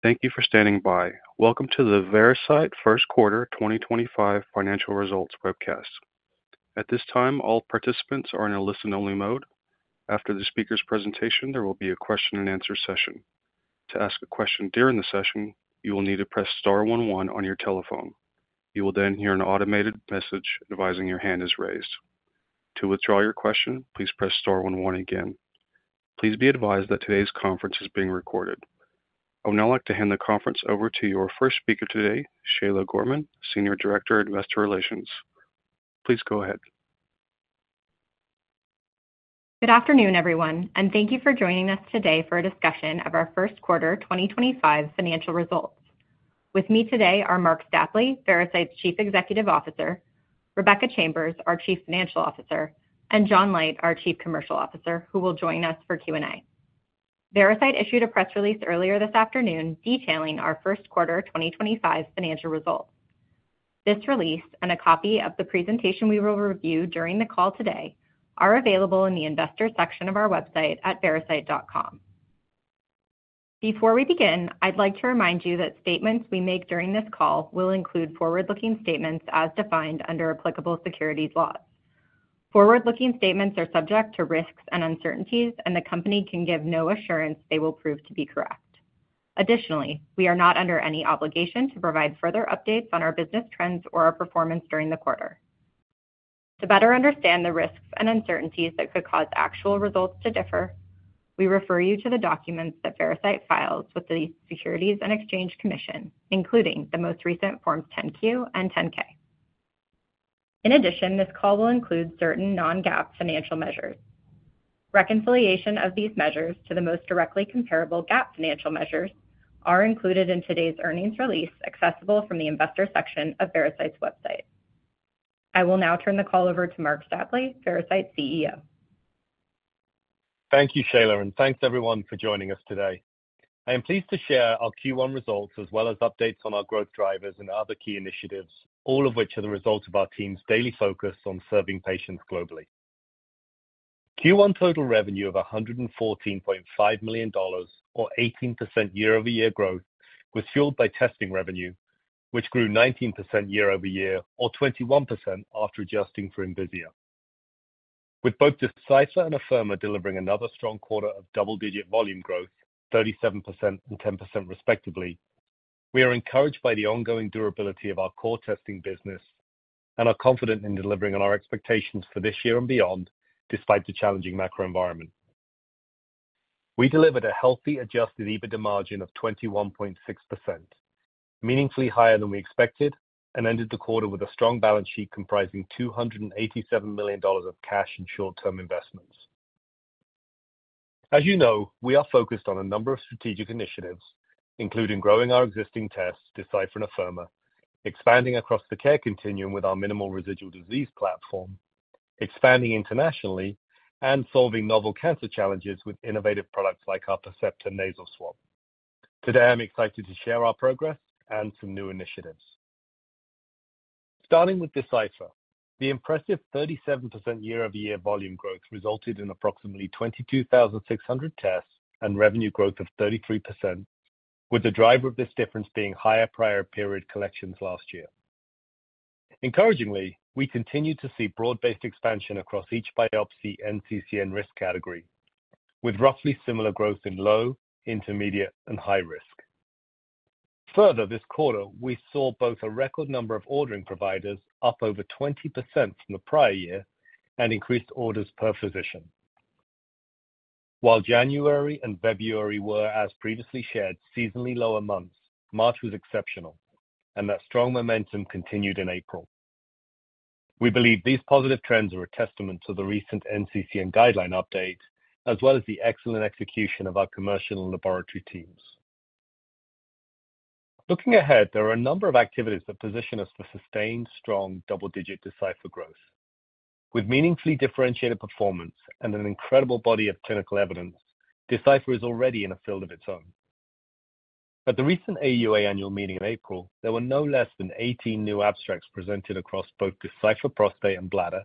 Thank you for standing by. Welcome to the Veracyte First Quarter 2025 Financial Results Webcast. At this time, all participants are in a listen-only mode. After the speaker's presentation, there will be a question-and-answer session. To ask a question during the session, you will need to press star one one on your telephone. You will then hear an automated message advising your hand is raised. To withdraw your question, please press star one one again. Please be advised that today's conference is being recorded. I would now like to hand the conference over to your first speaker today, Shayla Gorman, Senior Director of Investor Relations. Please go ahead. Good afternoon, everyone, and thank you for joining us today for a discussion of our first quarter 2025 financial results. With me today are Marc Stapley, Veracyte's Chief Executive Officer; Rebecca Chambers, our Chief Financial Officer; and John Leite, our Chief Commercial Officer, who will join us for Q&A. Veracyte issued a press release earlier this afternoon detailing our first quarter 2025 financial results. This release and a copy of the presentation we will review during the call today are available in the Investor section of our website at veracyte.com. Before we begin, I'd like to remind you that statements we make during this call will include forward-looking statements as defined under applicable securities laws. Forward-looking statements are subject to risks and uncertainties, and the company can give no assurance they will prove to be correct. Additionally, we are not under any obligation to provide further updates on our business trends or our performance during the quarter. To better understand the risks and uncertainties that could cause actual results to differ, we refer you to the documents that Veracyte files with the Securities and Exchange Commission, including the most recent Forms 10-Q and 10-K. In addition, this call will include certain non-GAAP financial measures. Reconciliation of these measures to the most directly comparable GAAP financial measures is included in today's earnings release accessible from the Investor section of Veracyte's website. I will now turn the call over to Marc Stapley, Veracyte CEO. Thank you, Shayla, and thanks, everyone, for joining us today. I am pleased to share our Q1 results as well as updates on our growth drivers and other key initiatives, all of which are the result of our team's daily focus on serving patients globally. Q1 total revenue of $114.5 million, or 18% year-over-year growth, was fueled by testing revenue, which grew 19% year-over-year, or 21% after adjusting for Envisia. With both Decipher and Afirma delivering another strong quarter of double-digit volume growth at 37% and 10% respectively, we are encouraged by the ongoing durability of our core testing business and are confident in delivering on our expectations for this year and beyond, despite the challenging macro environment. We delivered a healthy adjusted EBITDA margin of 21.6%, meaningfully higher than we expected, and ended the quarter with a strong balance sheet comprising $287 million of cash and short-term investments. As you know, we are focused on a number of strategic initiatives, including growing our existing tests, Decipher and Afirma, expanding across the care continuum with our minimal residual disease platform, expanding internationally, and solving novel cancer challenges with innovative products like our Percepta Nasal Swab. Today, I'm excited to share our progress and some new initiatives. Starting with Decipher, the impressive 37% year-over-year volume growth resulted in approximately 22,600 tests and revenue growth of 33%, with the driver of this difference being higher prior period collections last year. Encouragingly, we continue to see broad-based expansion across each biopsy NCCN risk category, with roughly similar growth in low, intermediate, and high risk. Further, this quarter, we saw both a record number of ordering providers up over 20% from the prior year and increased orders per physician. While January and February were, as previously shared, seasonally lower months, March was exceptional, and that strong momentum continued in April. We believe these positive trends are a testament to the recent NCCN guideline update, as well as the excellent execution of our commercial and laboratory teams. Looking ahead, there are a number of activities that position us for sustained, strong double-digit Decipher growth. With meaningfully differentiated performance and an incredible body of clinical evidence, Decipher is already in a field of its own. At the recent AUA annual meeting in April, there were no less than 18 new abstracts presented across both Decipher prostate and bladder,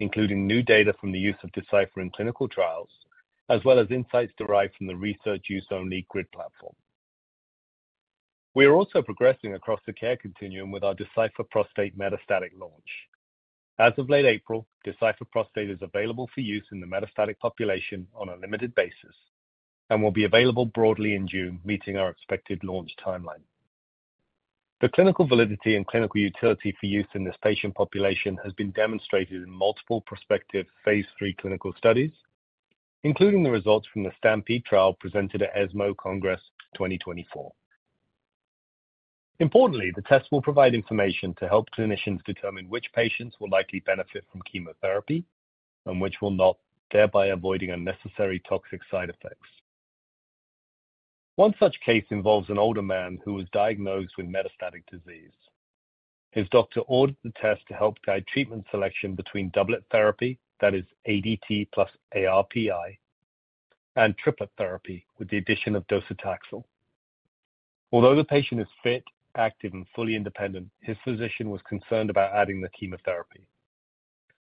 including new data from the use of Decipher in clinical trials, as well as insights derived from the research-use-only GRID platform. We are also progressing across the care continuum with our Decipher prostate metastatic launch. As of late April, Decipher prostate is available for use in the metastatic population on a limited basis and will be available broadly in June, meeting our expected launch timeline. The clinical validity and clinical utility for use in this patient population has been demonstrated in multiple prospective phase III clinical studies, including the results from the STAMPEDE trial presented at ESMO Congress 2024. Importantly, the tests will provide information to help clinicians determine which patients will likely benefit from chemotherapy and which will not, thereby avoiding unnecessary toxic side effects. One such case involves an older man who was diagnosed with metastatic disease. His doctor ordered the test to help guide treatment selection between doublet therapy, that is ADT plus ARPI, and triplet therapy with the addition of docetaxel. Although the patient is fit, active, and fully independent, his physician was concerned about adding the chemotherapy.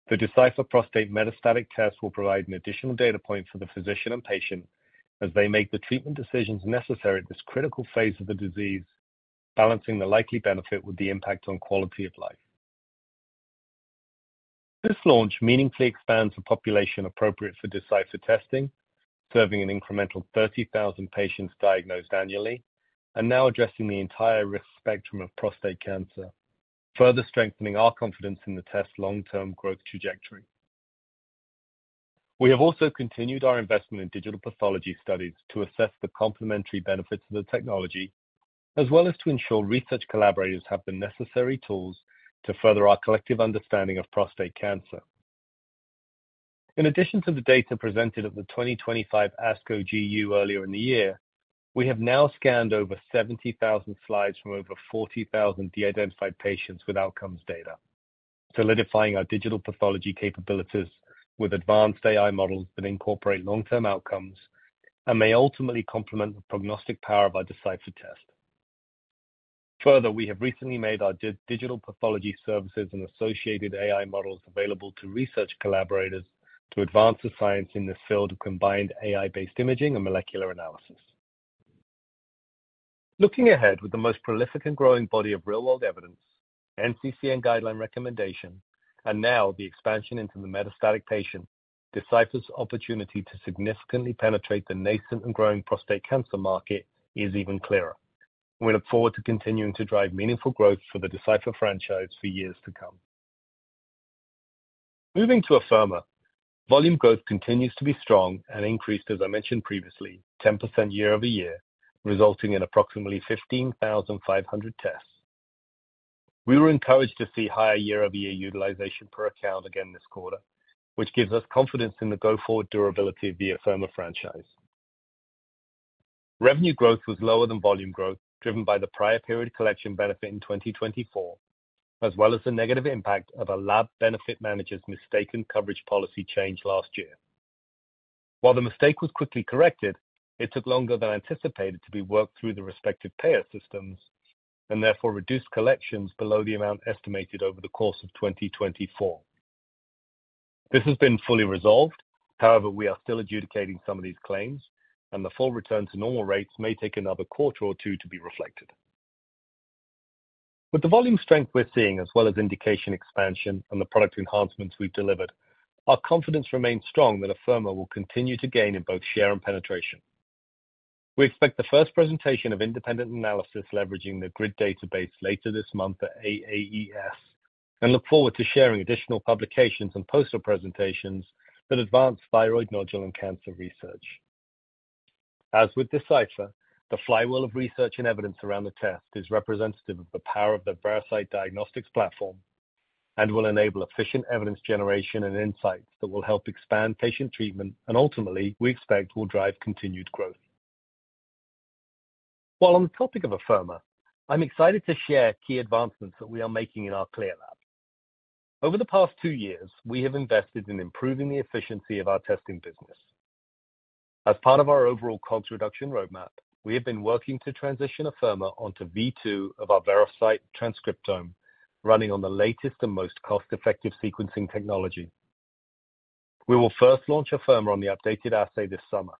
The Decipher prostate metastatic test will provide an additional data point for the physician and patient as they make the treatment decisions necessary at this critical phase of the disease, balancing the likely benefit with the impact on quality of life. This launch meaningfully expands the population appropriate for Decipher testing, serving an incremental 30,000 patients diagnosed annually and now addressing the entire risk spectrum of prostate cancer, further strengthening our confidence in the test's long-term growth trajectory. We have also continued our investment in digital pathology studies to assess the complementary benefits of the technology, as well as to ensure research collaborators have the necessary tools to further our collective understanding of prostate cancer. In addition to the data presented at the 2025 ASCO GU earlier in the year, we have now scanned over 70,000 slides from over 40,000 de-identified patients with outcomes data, solidifying our digital pathology capabilities with advanced AI models that incorporate long-term outcomes and may ultimately complement the prognostic power of our Decipher test. Further, we have recently made our digital pathology services and associated AI models available to research collaborators to advance the science in this field of combined AI-based imaging and molecular analysis. Looking ahead with the most prolific and growing body of real-world evidence, NCCN guideline recommendation, and now the expansion into the metastatic patient, Decipher's opportunity to significantly penetrate the nascent and growing prostate cancer market is even clearer. We look forward to continuing to drive meaningful growth for the Decipher franchise for years to come. Moving to Afirma, volume growth continues to be strong and increased, as I mentioned previously, 10% year-over-year, resulting in approximately 15,500 tests. We were encouraged to see higher year-over-year utilization per account again this quarter, which gives us confidence in the go-forward durability of the Afirma franchise. Revenue growth was lower than volume growth, driven by the prior period collection benefit in 2024, as well as the negative impact of a lab benefit manager's mistaken coverage policy change last year. While the mistake was quickly corrected, it took longer than anticipated to be worked through the respective payer systems and therefore reduced collections below the amount estimated over the course of 2024. This has been fully resolved; however, we are still adjudicating some of these claims, and the full return to normal rates may take another quarter or two to be reflected. With the volume strength we're seeing, as well as indication expansion and the product enhancements we've delivered, our confidence remains strong that Afirma will continue to gain in both share and penetration. We expect the first presentation of independent analysis leveraging the GRID database later this month at AAES and look forward to sharing additional publications and poster presentations that advance thyroid nodule and cancer research. As with Decipher, the flywheel of research and evidence around the test is representative of the power of the Veracyte diagnostics platform and will enable efficient evidence generation and insights that will help expand patient treatment and ultimately, we expect, will drive continued growth. While on the topic of Afirma, I'm excited to share key advancements that we are making in our CLIA lab. Over the past two years, we have invested in improving the efficiency of our testing business. As part of our overall cost reduction roadmap, we have been working to transition Afirma onto v2 of our Veracyte transcriptome, running on the latest and most cost-effective sequencing technology. We will first launch Afirma on the updated assay this summer.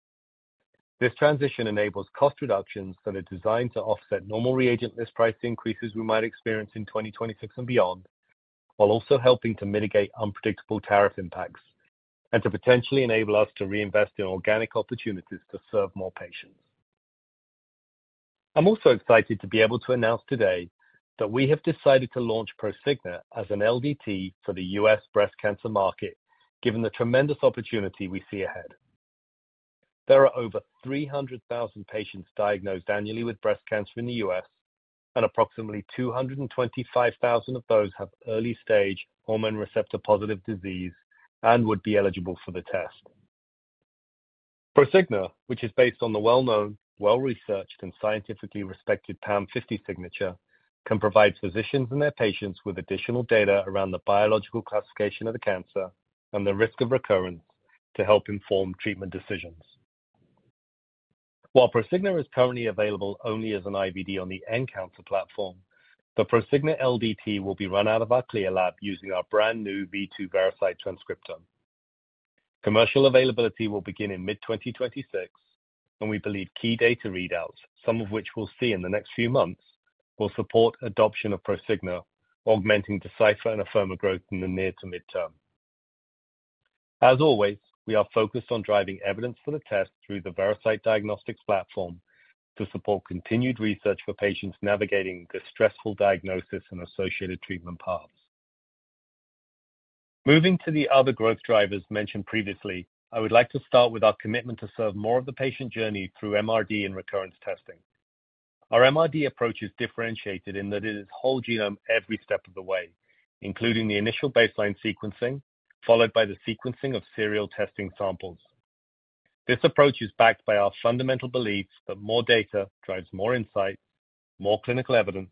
This transition enables cost reductions that are designed to offset normal reagent list price increases we might experience in 2026 and beyond, while also helping to mitigate unpredictable tariff impacts and to potentially enable us to reinvest in organic opportunities to serve more patients. I'm also excited to be able to announce today that we have decided to launch Prosigna as an LDT for the U.S. breast cancer market, given the tremendous opportunity we see ahead. There are over 300,000 patients diagnosed annually with breast cancer in the U.S., and approximately 225,000 of those have early-stage hormone receptor-positive disease and would be eligible for the test. Prosigna, which is based on the well-known, well-researched, and scientifically respected PAM50 signature, can provide physicians and their patients with additional data around the biological classification of the cancer and the risk of recurrence to help inform treatment decisions. While Prosigna is currently available only as an IVD on the end cancer platform, the Prosigna LDT will be run out of our CLIA lab using our brand new v2 Veracyte transcriptome. Commercial availability will begin in mid-2026, and we believe key data readouts, some of which we'll see in the next few months, will support adoption of Prosigna, augmenting Decipher and Afirma growth in the near to midterm. As always, we are focused on driving evidence for the test through the Veracyte diagnostics platform to support continued research for patients navigating the stressful diagnosis and associated treatment paths. Moving to the other growth drivers mentioned previously, I would like to start with our commitment to serve more of the patient journey through MRD and recurrence testing. Our MRD approach is differentiated in that it is whole genome every step of the way, including the initial baseline sequencing, followed by the sequencing of serial testing samples. This approach is backed by our fundamental belief that more data drives more insight, more clinical evidence,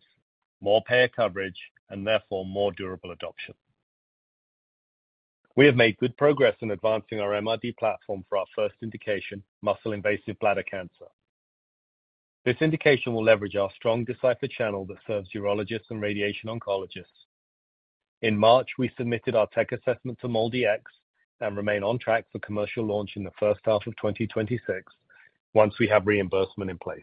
more payer coverage, and therefore more durable adoption. We have made good progress in advancing our MRD platform for our first indication, muscle-invasive bladder cancer. This indication will leverage our strong Decipher channel that serves urologists and radiation oncologists. In March, we submitted our tech assessment to MolDX and remain on track for commercial launch in the first half of 2026 once we have reimbursement in place.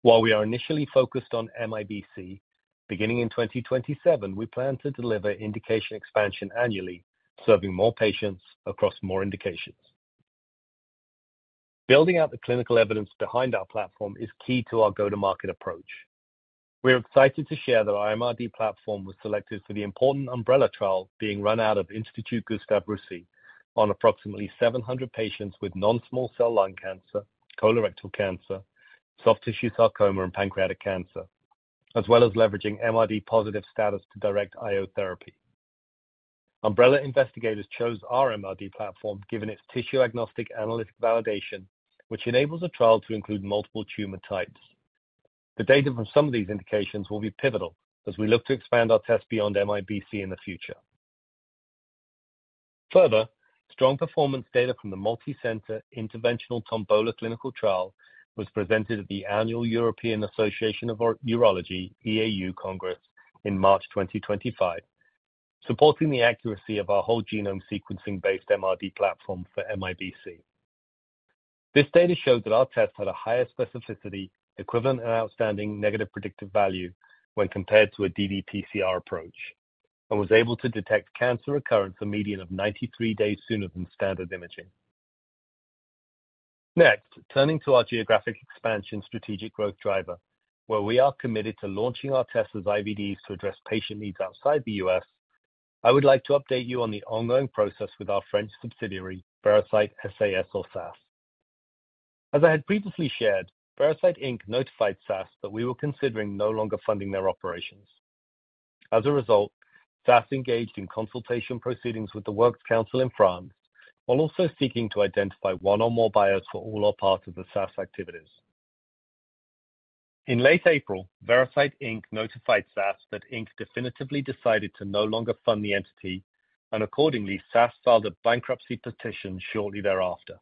While we are initially focused on MIBC, beginning in 2027, we plan to deliver indication expansion annually, serving more patients across more indications. Building out the clinical evidence behind our platform is key to our go-to-market approach. We are excited to share that our MRD platform was selected for the important UMBRELLA trial being run out of Gustave Roussy on approximately 700 patients with non-small cell lung cancer, colorectal cancer, soft tissue sarcoma, and pancreatic cancer, as well as leveraging MRD-positive status to direct IO therapy. UMBRELLA investigators chose our MRD platform given its tissue-agnostic analytic validation, which enables a trial to include multiple tumor types. The data from some of these indications will be pivotal as we look to expand our test beyond MIBC in the future. Further, strong performance data from the multicenter interventional TOMBOLA clinical trial was presented at the annual European Association of Urology (EAU) Congress in March 2025, supporting the accuracy of our whole genome sequencing-based MRD platform for MIBC. This data showed that our test had a higher specificity, equivalent, and outstanding negative predictive value when compared to a ddPCR approach and was able to detect cancer recurrence a median of 93 days sooner than standard imaging. Next, turning to our geographic expansion strategic growth driver, where we are committed to launching our test as IVDs to address patient needs outside the U.S., I would like to update you on the ongoing process with our French subsidiary, Veracyte SAS or SAS. As I had previously shared, Veracyte notified SAS that we were considering no longer funding their operations. As a result, SAS engaged in consultation proceedings with the Works Council in France, while also seeking to identify one or more buyers for all or part of the SAS activities. In late April, Veracyte notified SAS that Veracyte definitively decided to no longer fund the entity, and accordingly, SAS filed a bankruptcy petition shortly thereafter.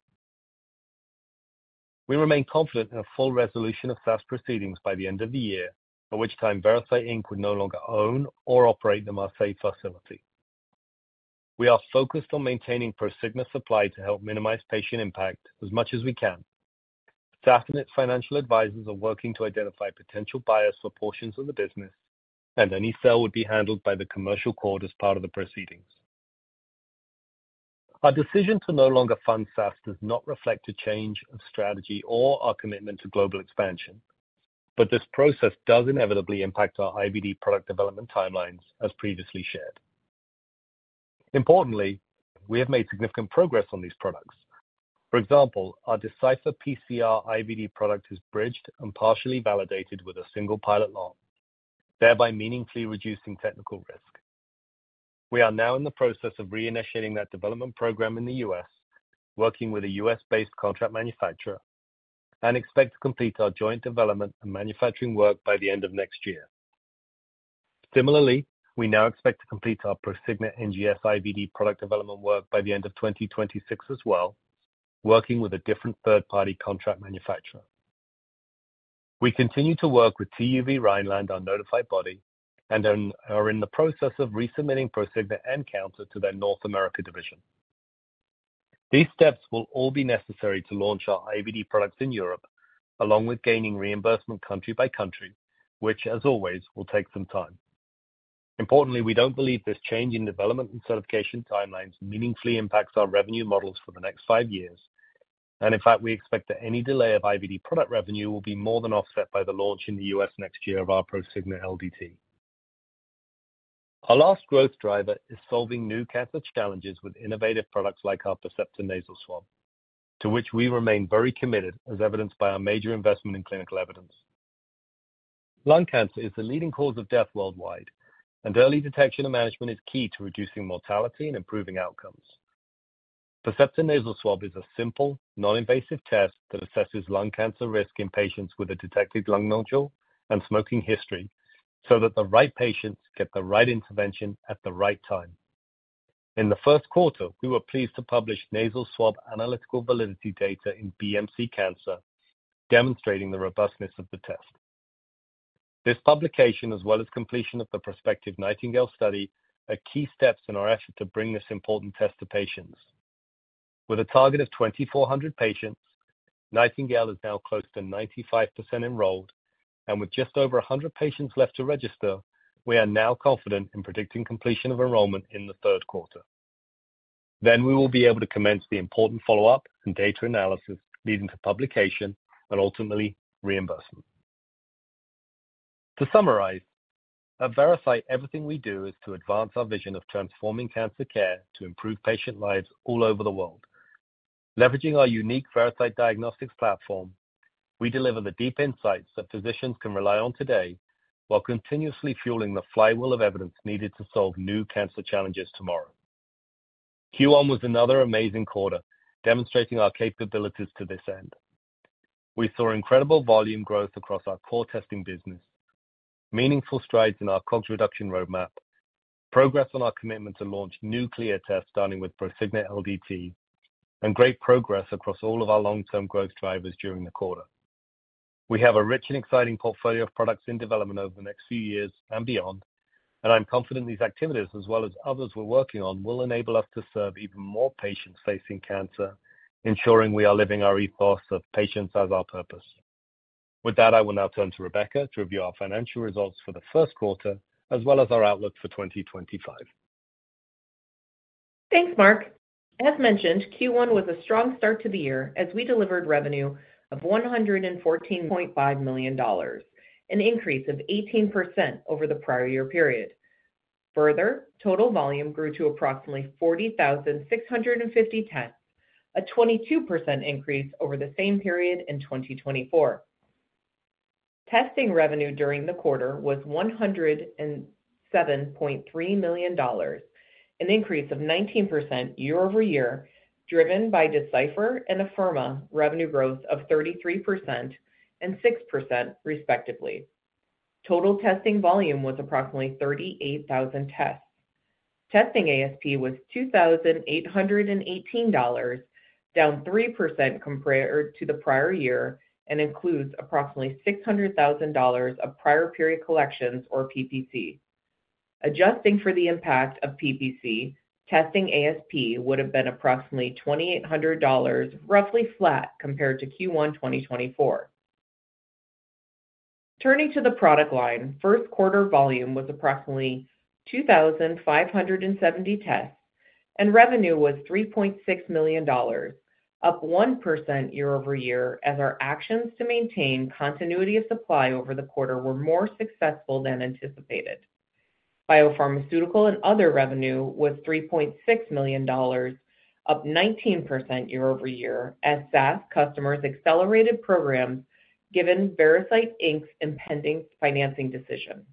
We remain confident in a full resolution of SAS proceedings by the end of the year, at which time Veracyte would no longer own or operate the Marseille facility. We are focused on maintaining Prosigna supply to help minimize patient impact as much as we can. SAS and its financial advisors are working to identify potential buyers for portions of the business, and any sale would be handled by the commercial court as part of the proceedings. Our decision to no longer fund SAS does not reflect a change of strategy or our commitment to global expansion, but this process does inevitably impact our IVD product development timelines, as previously shared. Importantly, we have made significant progress on these products. For example, our Decipher PCR IVD product is bridged and partially validated with a single pilot lot, thereby meaningfully reducing technical risk. We are now in the process of reinitiating that development program in the U.S., working with a U.S.-based contract manufacturer, and expect to complete our joint development and manufacturing work by the end of next year. Similarly, we now expect to complete our Prosigna NGS IVD product development work by the end of 2026 as well, working with a different third-party contract manufacturer. We continue to work with TÜV Rheinland, our notified body, and are in the process of resubmitting Prosigna nCounter to their North America division. These steps will all be necessary to launch our IVD products in Europe, along with gaining reimbursement country by country, which, as always, will take some time. Importantly, we don't believe this change in development and certification timelines meaningfully impacts our revenue models for the next five years, and in fact, we expect that any delay of IVD product revenue will be more than offset by the launch in the U.S. next year of our Prosigna LDT. Our last growth driver is solving new cancer challenges with innovative products like our Percepta Nasal Swab, to which we remain very committed, as evidenced by our major investment in clinical evidence. Lung cancer is the leading cause of death worldwide, and early detection and management is key to reducing mortality and improving outcomes. Percepta Nasal Swab is a simple, non-invasive test that assesses lung cancer risk in patients with a detected lung nodule and smoking history so that the right patients get the right intervention at the right time. In the first quarter, we were pleased to publish nasal swab analytical validity data in BMC Cancer, demonstrating the robustness of the test. This publication, as well as completion of the prospective NIGHTINGALE study, are key steps in our effort to bring this important test to patients. With a target of 2,400 patients, NIGHTINGALE is now close to 95% enrolled, and with just over 100 patients left to register, we are now confident in predicting completion of enrollment in the third quarter. We will be able to commence the important follow-up and data analysis leading to publication and ultimately reimbursement. To summarize, at Veracyte, everything we do is to advance our vision of transforming cancer care to improve patient lives all over the world. Leveraging our unique Veracyte diagnostics platform, we deliver the deep insights that physicians can rely on today while continuously fueling the flywheel of evidence needed to solve new cancer challenges tomorrow. Q1 was another amazing quarter, demonstrating our capabilities to this end. We saw incredible volume growth across our core testing business, meaningful strides in our cost reduction roadmap, progress on our commitment to launch new clear tests starting with Prosigna LDT, and great progress across all of our long-term growth drivers during the quarter. We have a rich and exciting portfolio of products in development over the next few years and beyond, and I'm confident these activities, as well as others we're working on, will enable us to serve even more patients facing cancer, ensuring we are living our ethos of patients as our purpose. With that, I will now turn to Rebecca to review our financial results for the first quarter, as well as our outlook for 2025. Thanks, Marc. As mentioned, Q1 was a strong start to the year as we delivered revenue of $114.5 million, an increase of 18% over the prior year period. Further, total volume grew to approximately 40,650 tests, a 22% increase over the same period in 2024. Testing revenue during the quarter was $107.3 million, an increase of 19% year over year, driven by Decipher and Afirma revenue growth of 33% and 6%, respectively. Total testing volume was approximately 38,000 tests. Testing ASP was $2,818, down 3% compared to the prior year, and includes approximately $600,000 of prior period collections, or PPC. Adjusting for the impact of PPC, testing ASP would have been approximately $2,800, roughly flat compared to Q1 2024. Turning to the product line, first quarter volume was approximately 2,570 tests, and revenue was $3.6 million, up 1% year over year, as our actions to maintain continuity of supply over the quarter were more successful than anticipated. Biopharmaceutical and other revenue was $3.6 million, up 19% year over year, as SAS customers accelerated programs given Veracyte's impending financing decision.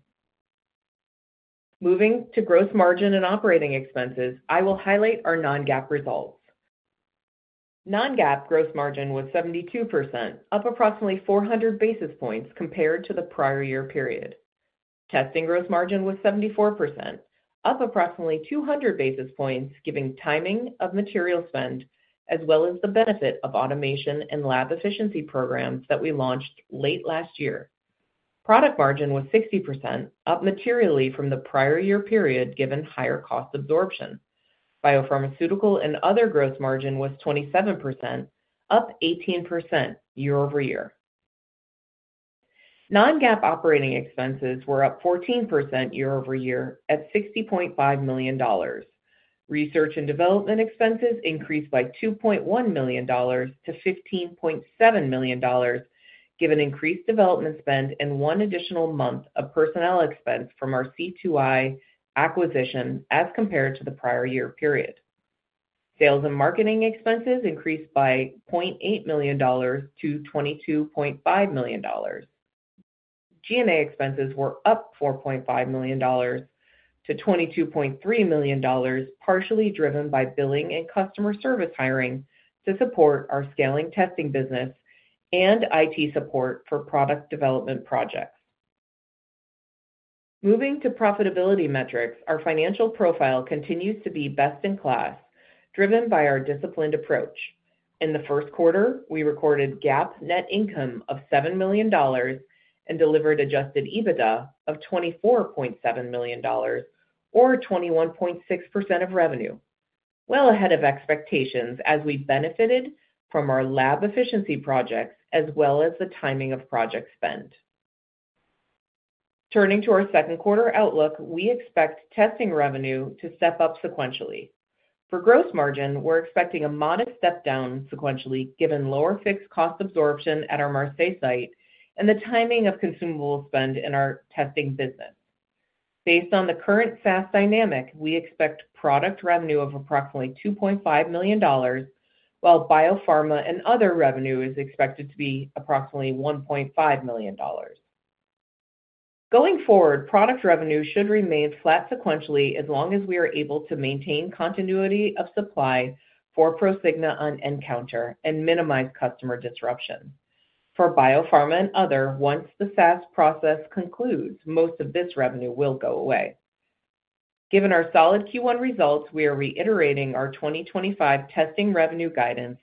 Moving to gross margin and operating expenses, I will highlight our non-GAAP results. Non-GAAP gross margin was 72%, up approximately 400 basis points compared to the prior year period. Testing gross margin was 74%, up approximately 200 basis points, giving timing of material spend, as well as the benefit of automation and lab efficiency programs that we launched late last year. Product margin was 60%, up materially from the prior year period given higher cost absorption. Biopharmaceutical and other gross margin was 27%, up 18% year over year. Non-GAAP operating expenses were up 14% year over year at $60.5 million. Research and development expenses increased by $2.1 million to $15.7 million, given increased development spend and one additional month of personnel expense from our C2i acquisition as compared to the prior year period. Sales and marketing expenses increased by $0.8 million to $22.5 million. G&A expenses were up $4.5 million to $22.3 million, partially driven by billing and customer service hiring to support our scaling testing business and IT support for product development projects. Moving to profitability metrics, our financial profile continues to be best in class, driven by our disciplined approach. In the first quarter, we recorded GAAP net income of $7 million and delivered adjusted EBITDA of $24.7 million, or 21.6% of revenue, well ahead of expectations as we benefited from our lab efficiency projects as well as the timing of project spend. Turning to our second quarter outlook, we expect testing revenue to step up sequentially. For gross margin, we're expecting a modest step down sequentially given lower fixed cost absorption at our Marseille site For biopharma and other, once the SAS process concludes, most of this revenue will go away. Given our solid Q1 results, we are reiterating our 2025 testing revenue guidance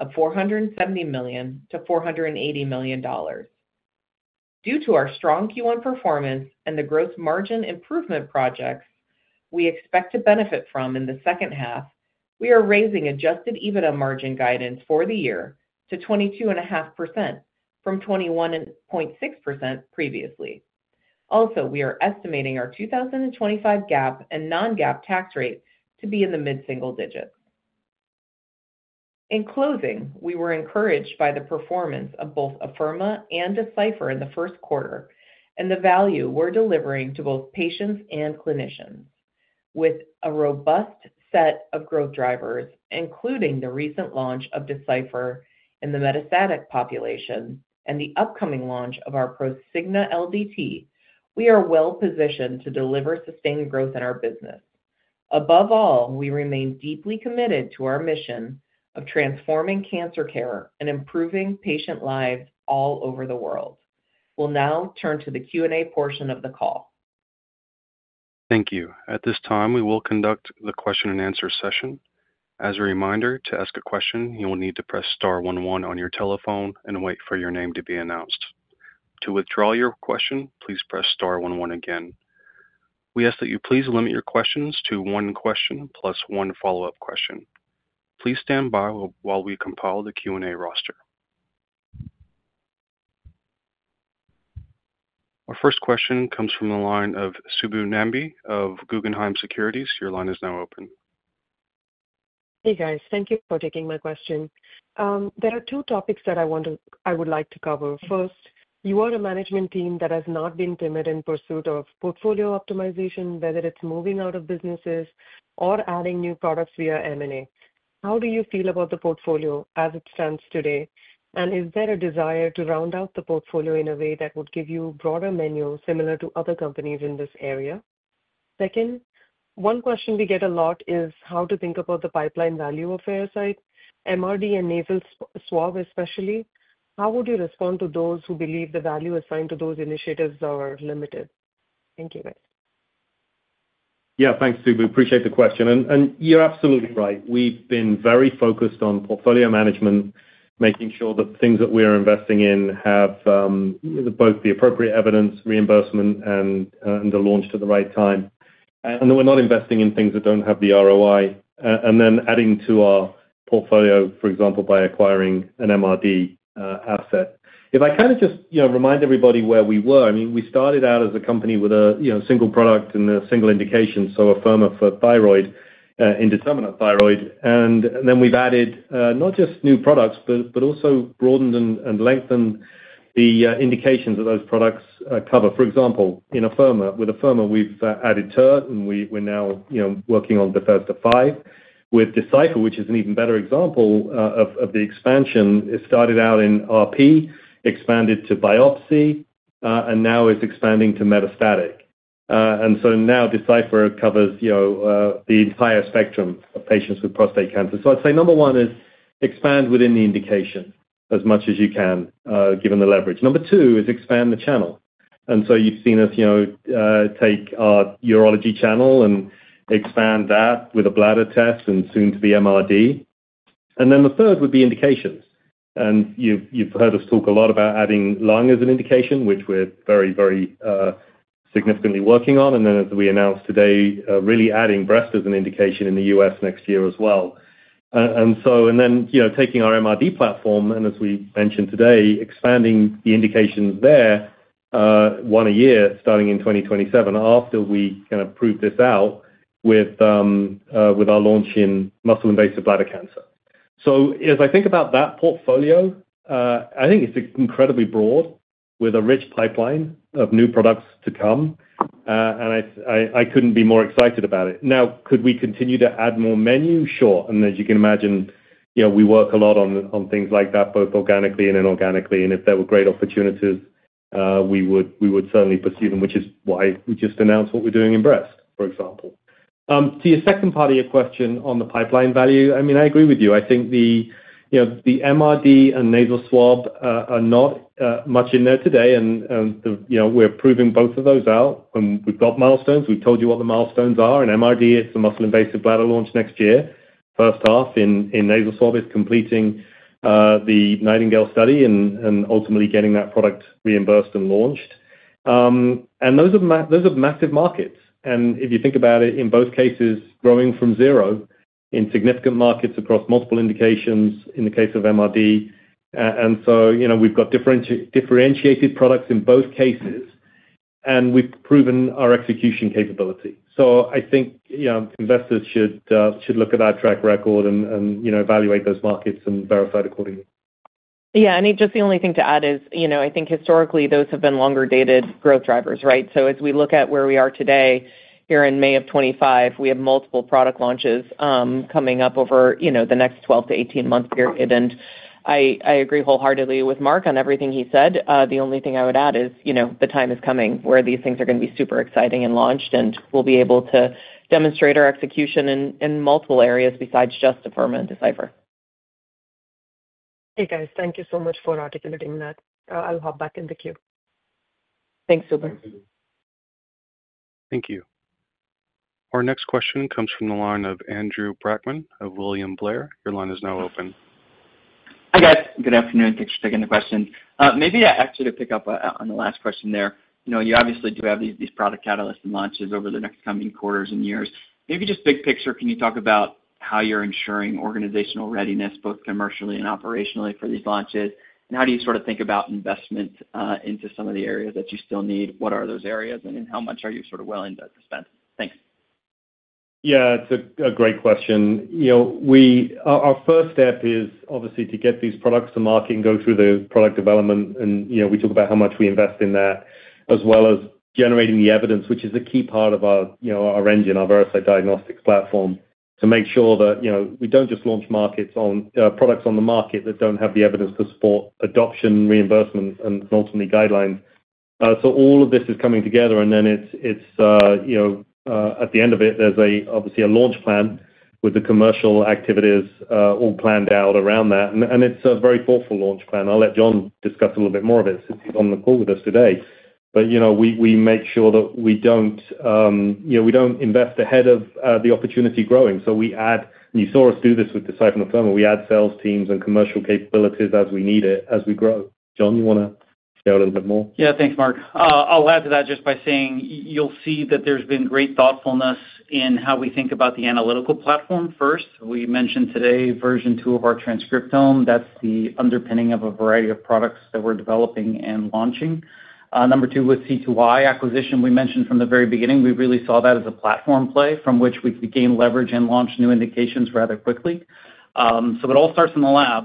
of $470 million-$480 million. Due to our strong Q1 performance and the gross margin improvement projects we expect to benefit from in the second half, we are raising adjusted EBITDA margin guidance for the year to 22.5% from 21.6% previously. Also, we are estimating our 2025 GAAP and non-GAAP tax rate to be in the mid-single digits. In closing, we were encouraged by the performance of both Afirma and Decipher in the first quarter and the value we're delivering to both patients and clinicians. With a robust set of growth drivers, including the recent launch of Decipher in the metastatic population and the upcoming launch of our Prosigna LDT, we are well positioned to deliver sustained growth in our business. Above all, we remain deeply committed to our mission of transforming cancer care and improving patient lives all over the world. We'll now turn to the Q&A portion of the call. Thank you. At this time, we will conduct the question and answer session. As a reminder, to ask a question, you will need to press star one one on your telephone and wait for your name to be announced. To withdraw your question, please press star one one again. We ask that you please limit your questions to one question plus one follow-up question. Please stand by while we compile the Q&A roster. Our first question comes from the line of Subbu Nambi of Guggenheim Securities. Your line is now open. Hey, guys. Thank you for taking my question. There are two topics that I would like to cover. First, you are a management team that has not been timid in pursuit of portfolio optimization, whether it's moving out of businesses or adding new products via M&A. How do you feel about the portfolio as it stands today? Is there a desire to round out the portfolio in a way that would give you a broader menu similar to other companies in this area? Second, one question we get a lot is how to think about the pipeline value of Veracyte, MRD and nasal swab especially. How would you respond to those who believe the value assigned to those initiatives are limited? Thank you, guys. Yeah, thanks, Subbu. Appreciate the question. You're absolutely right. We've been very focused on portfolio management, making sure that the things that we are investing in have both the appropriate evidence, reimbursement, and the launch to the right time. We're not investing in things that don't have the ROI, and then adding to our portfolio, for example, by acquiring an MRD asset. If I kind of just remind everybody where we were, I mean, we started out as a company with a single product and a single indication, so Afirma for indeterminate thyroid. We've added not just new products, but also broadened and lengthened the indications that those products cover. For example, with Afirma, we've added TERT, and we're now working on the first of five. With Decipher, which is an even better example of the expansion, it started out in RP, expanded to biopsy, and now is expanding to metastatic. Now Decipher covers the entire spectrum of patients with prostate cancer. I'd say number one is expand within the indication as much as you can given the leverage. Number two is expand the channel. You've seen us take our urology channel and expand that with a bladder test and soon to be MRD. The third would be indications. You've heard us talk a lot about adding lung as an indication, which we're very, very significantly working on. As we announced today, really adding breast as an indication in the U.S. next year as well. Taking our MRD platform, and as we mentioned today, expanding the indications there, one a year starting in 2027 after we kind of proved this out with our launch in muscle-invasive bladder cancer. As I think about that portfolio, I think it's incredibly broad with a rich pipeline of new products to come. I couldn't be more excited about it. Could we continue to add more menu? Sure. As you can imagine, we work a lot on things like that, both organically and inorganically. If there were great opportunities, we would certainly pursue them, which is why we just announced what we're doing in breast, for example. To your second part of your question on the pipeline value, I mean, I agree with you. I think the MRD and nasal swab are not much in there today. We're proving both of those out. We've got milestones. We've told you what the milestones are. MRD is the muscle-invasive bladder launch next year. First half in nasal swab is completing the NIGHTINGALE study and ultimately getting that product reimbursed and launched. Those are massive markets. If you think about it, in both cases, growing from zero in significant markets across multiple indications in the case of MRD. We've got differentiated products in both cases, and we've proven our execution capability. I think investors should look at our track record and evaluate those markets and verify it accordingly. Yeah. The only thing to add is I think historically those have been longer-dated growth drivers, right? As we look at where we are today, here in May of 2025, we have multiple product launches coming up over the next 12-18 month period. I agree wholeheartedly with Marc on everything he said. The only thing I would add is the time is coming where these things are going to be super exciting and launched, and we will be able to demonstrate our execution in multiple areas besides just Afirma and Decipher. Hey, guys. Thank you so much for articulating that. I'll hop back in the queue. Thanks, Subbu. Thank you. Our next question comes from the line of Andrew Brackman of William Blair. Your line is now open. Hi, guys. Good afternoon. Thanks for taking the question. Maybe I ask you to pick up on the last question there. You obviously do have these product catalysts and launches over the next coming quarters and years. Maybe just big picture, can you talk about how you're ensuring organizational readiness, both commercially and operationally, for these launches? How do you sort of think about investment into some of the areas that you still need? What are those areas, and how much are you sort of willing to spend? Thanks. Yeah, it's a great question. Our first step is obviously to get these products to market and go through the product development. We talk about how much we invest in that, as well as generating the evidence, which is a key part of our engine, our Veracyte diagnostics platform, to make sure that we don't just launch products on the market that don't have the evidence to support adoption, reimbursement, and ultimately guidelines. All of this is coming together. At the end of it, there's obviously a launch plan with the commercial activities all planned out around that. It's a very thoughtful launch plan. I'll let John discuss a little bit more of it since he's on the call with us today. We make sure that we don't invest ahead of the opportunity growing. We add, and you saw us do this with Decipher and Afirma. We add sales teams and commercial capabilities as we need it as we grow. John, you want to share a little bit more? Yeah, thanks, Marc. I'll add to that just by saying you'll see that there's been great thoughtfulness in how we think about the analytical platform first. We mentioned today version two of our transcriptome. That's the underpinning of a variety of products that we're developing and launching. Number two, with C2i acquisition, we mentioned from the very beginning, we really saw that as a platform play from which we could gain leverage and launch new indications rather quickly. It all starts in the lab.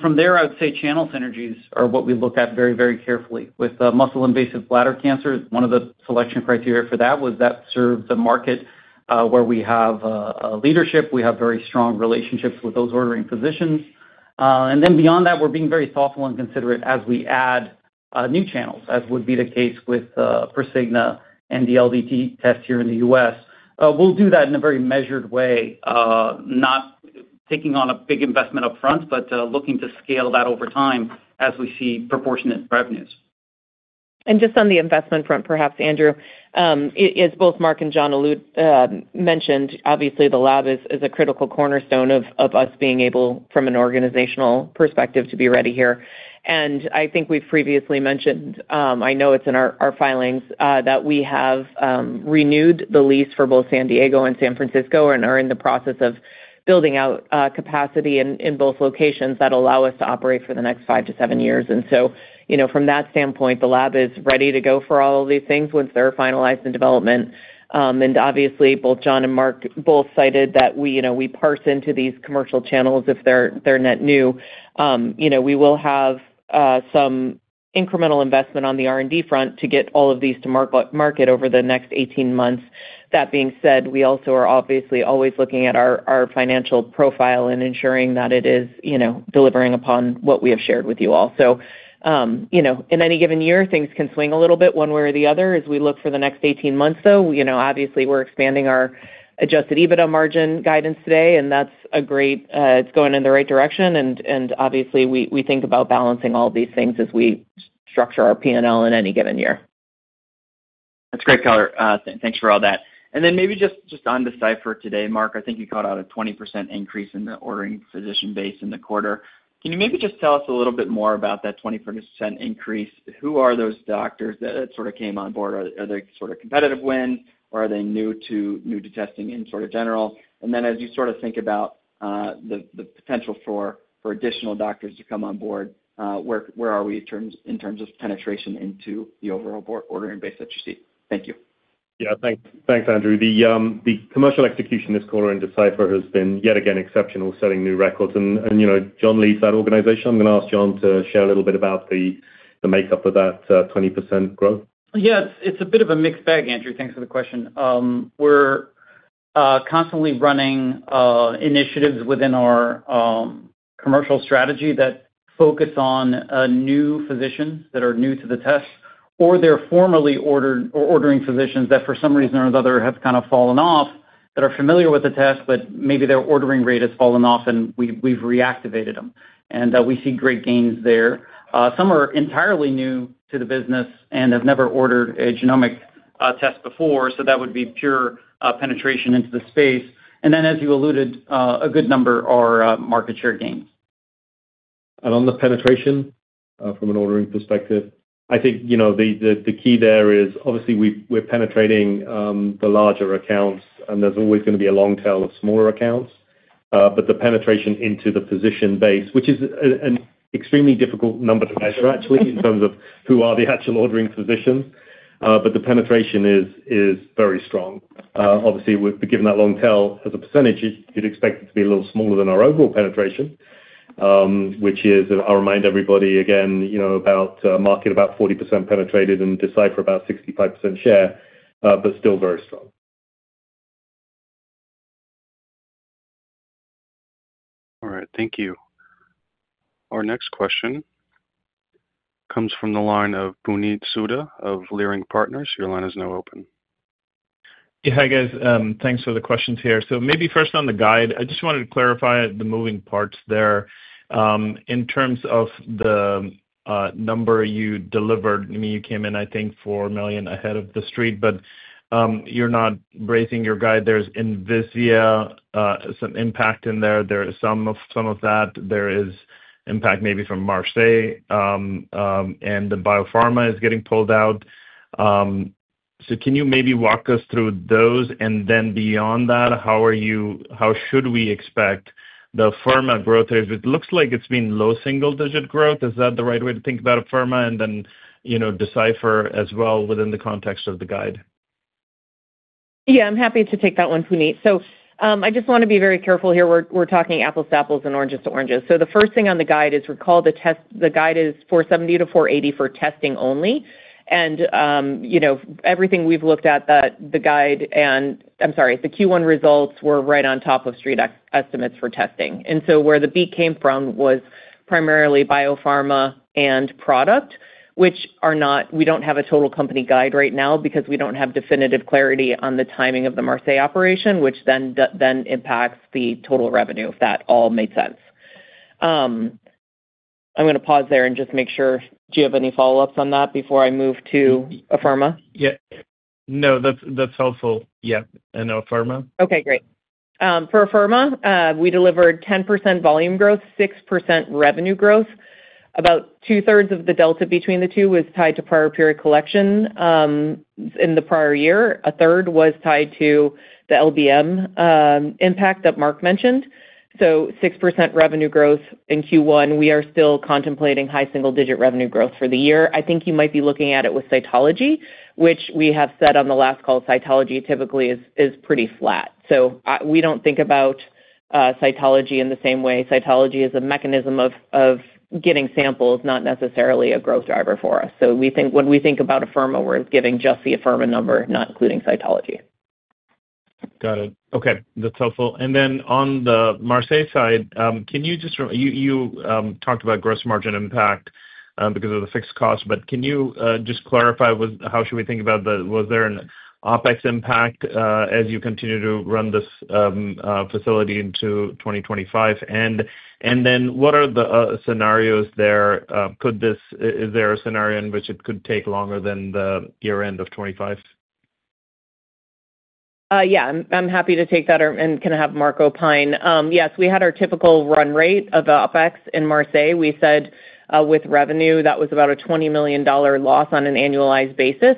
From there, I would say channel synergies are what we look at very, very carefully. With muscle-invasive bladder cancer, one of the selection criteria for that was that serves a market where we have leadership. We have very strong relationships with those ordering physicians. Beyond that, we're being very thoughtful and considerate as we add new channels, as would be the case with Prosigna and the LDT test here in the U.S. We'll do that in a very measured way, not taking on a big investment upfront, but looking to scale that over time as we see proportionate revenues. On the investment front, perhaps, Andrew, as both Marc and John mentioned, obviously the lab is a critical cornerstone of us being able, from an organizational perspective, to be ready here. I think we've previously mentioned, I know it's in our filings, that we have renewed the lease for both San Diego and San Francisco and are in the process of building out capacity in both locations that allow us to operate for the next five to seven years. From that standpoint, the lab is ready to go for all of these things once they're finalized in development. Obviously, both John and Marc cited that we parse into these commercial channels if they're net new. We will have some incremental investment on the R&D front to get all of these to market over the next 18 months. That being said, we also are obviously always looking at our financial profile and ensuring that it is delivering upon what we have shared with you all. In any given year, things can swing a little bit one way or the other as we look for the next 18 months, though. Obviously, we're expanding our adjusted EBITDA margin guidance today, and that's a great, it's going in the right direction. Obviously, we think about balancing all of these things as we structure our P&L in any given year. That's great, [Keller]. Thanks for all that. Maybe just on Decipher today, Marc, I think you called out a 20% increase in the ordering physician base in the quarter. Can you maybe just tell us a little bit more about that 20% increase? Who are those doctors that sort of came on board? Are they sort of competitive wins? Are they new to testing in sort of general? As you sort of think about the potential for additional doctors to come on board, where are we in terms of penetration into the overall ordering base that you see? Thank you. Yeah, thanks, Andrew. The commercial execution this quarter in Decipher has been yet again exceptional, setting new records. John leads that organization. I'm going to ask John to share a little bit about the makeup of that 20% growth. Yeah, it's a bit of a mixed bag, Andrew. Thanks for the question. We're constantly running initiatives within our commercial strategy that focus on new physicians that are new to the test, or they're formerly ordering physicians that for some reason or another have kind of fallen off, that are familiar with the test, but maybe their ordering rate has fallen off, and we've reactivated them. We see great gains there. Some are entirely new to the business and have never ordered a genomic test before, so that would be pure penetration into the space. As you alluded, a good number are market share gains. On the penetration from an ordering perspective, I think the key there is obviously we are penetrating the larger accounts, and there is always going to be a long tail of smaller accounts. The penetration into the physician base, which is an extremely difficult number to measure, actually, in terms of who are the actual ordering physicians, but the penetration is very strong. Obviously, given that long tail as a percentage, you would expect it to be a little smaller than our overall penetration, which is, I will remind everybody again, about market, about 40% penetrated and Decipher about 65% share, but still very strong. All right. Thank you. Our next question comes from the line of Puneet Souda of Leerink Partners. Your line is now open. Yeah, hi guys. Thanks for the questions here. Maybe first on the guide, I just wanted to clarify the moving parts there. In terms of the number you delivered, I mean, you came in, I think, $4 million ahead of the street, but you're not raising your guide. There's Invizia, some impact in there. There is some of that. There is impact maybe from Marseille, and the biopharma is getting pulled out. Can you maybe walk us through those? Beyond that, how should we expect the Afirma growth? It looks like it's been low single-digit growth. Is that the right way to think about Afirma? Decipher as well within the context of the guide? Yeah, I'm happy to take that one, Puneet. I just want to be very careful here. We're talking apples to apples and oranges to oranges. The first thing on the guide is recall the test. The guide is 470-480 for testing only. Everything we've looked at, the guide and—I'm sorry, the Q1 results were right on top of street estimates for testing. Where the beat came from was primarily biopharma and product, which are not—we don't have a total company guide right now because we don't have definitive clarity on the timing of the Marseille operation, which then impacts the total revenue, if that all made sense. I'm going to pause there and just make sure. Do you have any follow-ups on that before I move to Afirma? Yeah. No, that's helpful. Yeah. I know Afirma. Okay, great. For Afirma, we delivered 10% volume growth, 6% revenue growth. About two-thirds of the delta between the two was tied to prior period collection in the prior year. A third was tied to the LBM impact that Marc mentioned. 6% revenue growth in Q1. We are still contemplating high single-digit revenue growth for the year. I think you might be looking at it with cytology, which we have said on the last call, cytology typically is pretty flat. We do not think about cytology in the same way. Cytology is a mechanism of getting samples, not necessarily a growth driver for us. When we think about Afirma, we are giving just the Afirma number, not including cytology. Got it. Okay. That is helpful. On the Marseille side, can you just—you talked about gross margin impact because of the fixed cost, but can you just clarify how should we think about the—was there an OpEx impact as you continue to run this facility into 2025? What are the scenarios there? Is there a scenario in which it could take longer than the year-end of 2025? Yeah, I'm happy to take that and can have Marc opine. Yes, we had our typical run rate of OpEx in Marseille. We said with revenue, that was about a $20 million loss on an annualized basis.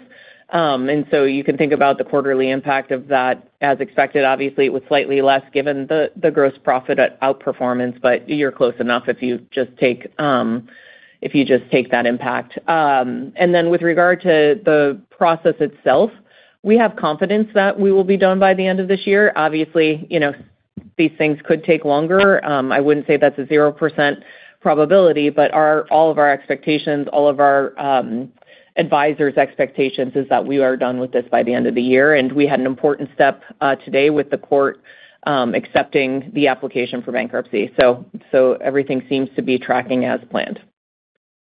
You can think about the quarterly impact of that as expected. Obviously, it was slightly less given the gross profit outperformance, but you're close enough if you just take—if you just take that impact. With regard to the process itself, we have confidence that we will be done by the end of this year. Obviously, these things could take longer. I would not say that is a 0% probability, but all of our expectations, all of our advisors' expectations is that we are done with this by the end of the year. We had an important step today with the court accepting the application for bankruptcy. Everything seems to be tracking as planned.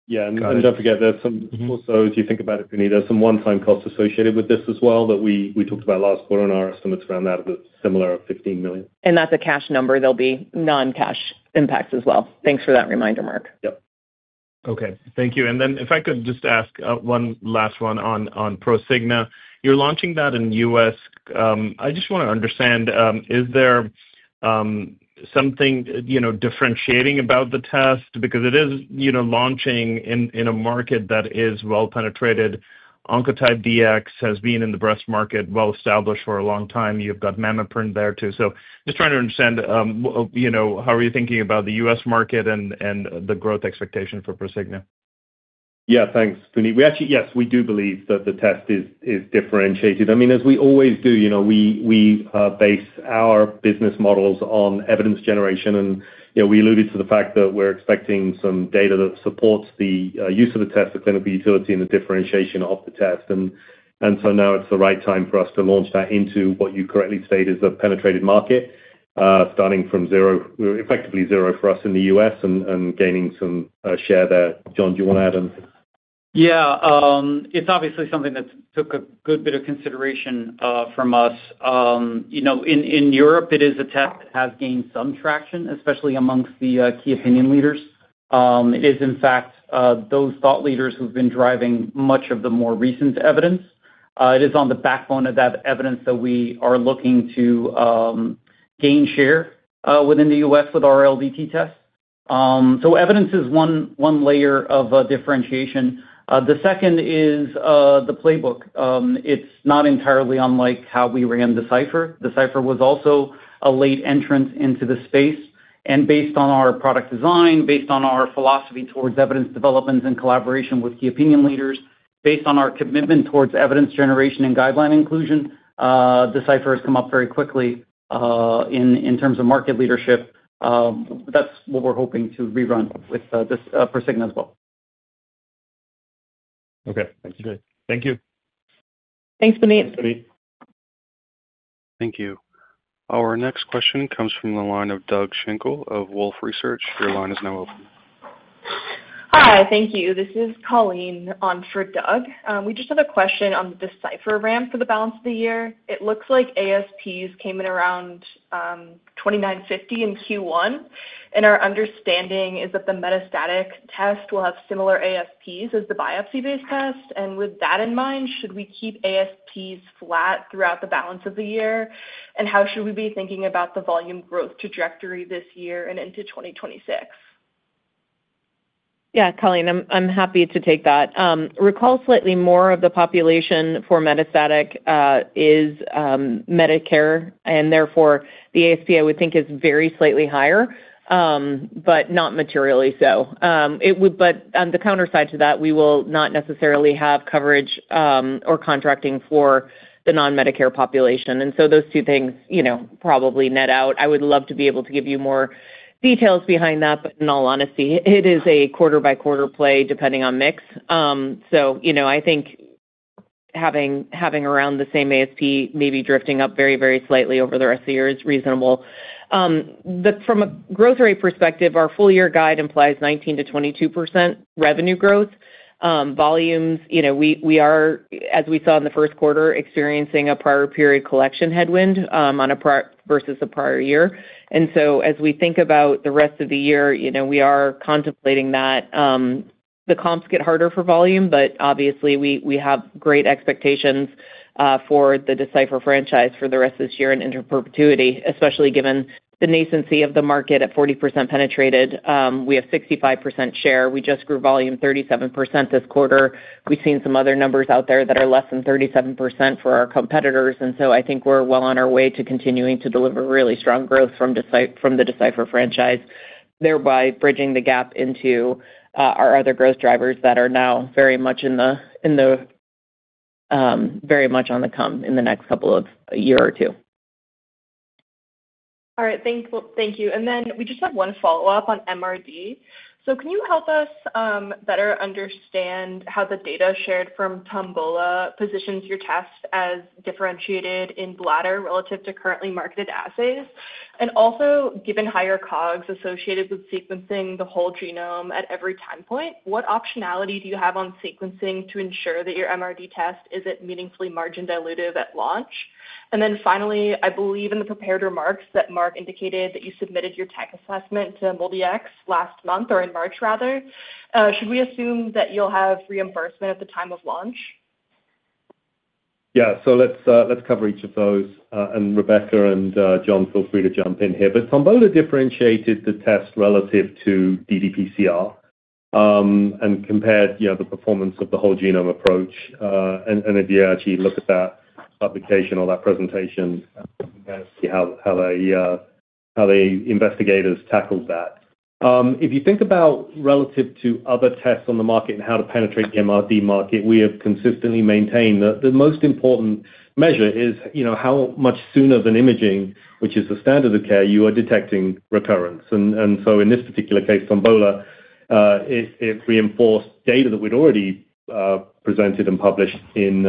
Yeah. Do not forget, if you think about it, Puneet, there are some one-time costs associated with this as well that we talked about last quarter and our estimates around that of a similar $15 million. That is a cash number. There will be non-cash impacts as well. Thanks for that reminder, Marc. Yep. Okay. Thank you. If I could just ask one last one on Prosigna. You're launching that in the U.S. I just want to understand, is there something differentiating about the test? Because it is launching in a market that is well-penetrated. Oncotype DX has been in the breast market, well-established for a long time. You've got MammaPrint there too. Just trying to understand, how are you thinking about the U.S. market and the growth expectation for Prosigna? Yeah, thanks, Puneet. Yes, we do believe that the test is differentiated. I mean, as we always do, we base our business models on evidence generation. We alluded to the fact that we're expecting some data that supports the use of the test, the clinical utility, and the differentiation of the test. It is the right time for us to launch that into what you correctly stated is a penetrated market, starting from zero, effectively zero for us in the U.S., and gaining some share there. John, do you want to add anything? Yeah. It is obviously something that took a good bit of consideration from us. In Europe, it is a test that has gained some traction, especially amongst the key opinion leaders. It is, in fact, those thought leaders who have been driving much of the more recent evidence. It is on the backbone of that evidence that we are looking to gain share within the U.S. with our LDT test. Evidence is one layer of differentiation. The second is the playbook. It is not entirely unlike how we ran Decipher. Decipher was also a late entrant into the space. Based on our product design, based on our philosophy towards evidence development and collaboration with key opinion leaders, based on our commitment towards evidence generation and guideline inclusion, Decipher has come up very quickly in terms of market leadership. That is what we are hoping to rerun with Prosigna as well. Okay. Thank you. Thank you. Thanks, Puneet. Thank you. Our next question comes from the line of Doug Shankle of Wolfe Research. Your line is now open. Hi. Thank you. This is Colleen on for Doug. We just have a question on the Decipher ramp for the balance of the year. It looks like ASPs came in around $2,950 in Q1. And our understanding is that the metastatic test will have similar ASPs as the biopsy-based test. With that in mind, should we keep ASPs flat throughout the balance of the year? How should we be thinking about the volume growth trajectory this year and into 2026? Yeah, Colleen, I'm happy to take that. Recall, slightly more of the population for metastatic is Medicare, and therefore the ASP I would think is very slightly higher, but not materially so. On the counter side to that, we will not necessarily have coverage or contracting for the non-Medicare population. Those two things probably net out. I would love to be able to give you more details behind that, but in all honesty, it is a quarter-by-quarter play depending on mix. I think having around the same ASP, maybe drifting up very, very slightly over the rest of the year is reasonable. From a growth rate perspective, our full-year guide implies 19%-22% revenue growth. Volumes, we are, as we saw in the first quarter, experiencing a prior period collection headwind versus the prior year. As we think about the rest of the year, we are contemplating that. The comps get harder for volume, but obviously, we have great expectations for the Decipher franchise for the rest of this year and into perpetuity, especially given the nascency of the market at 40% penetrated. We have 65% share. We just grew volume 37% this quarter. We've seen some other numbers out there that are less than 37% for our competitors. I think we're well on our way to continuing to deliver really strong growth from the Decipher franchise, thereby bridging the gap into our other growth drivers that are now very much on the come in the next couple of years or two. All right. Thank you. We just have one follow-up on MRD. Can you help us better understand how the data shared from TOMBOLA positions your test as differentiated in bladder relative to currently marketed assays? Also, given higher COGS associated with sequencing the whole genome at every time point, what optionality do you have on sequencing to ensure that your MRD test is not meaningfully margin dilutive at launch? Finally, I believe in the prepared remarks that Marc indicated that you submitted your tech assessment to MolDX last month or in March, rather. Should we assume that you will have reimbursement at the time of launch? Yeah. Let's cover each of those. Rebecca and John, feel free to jump in here. TOMBOLA differentiated the test relative to ddPCR and compared the performance of the whole genome approach. If you actually look at that publication or that presentation, you can kind of see how the investigators tackled that. If you think about relative to other tests on the market and how to penetrate the MRD market, we have consistently maintained that the most important measure is how much sooner than imaging, which is the standard of care, you are detecting recurrence. In this particular case, TOMBOLA, it reinforced data that we had already presented and published in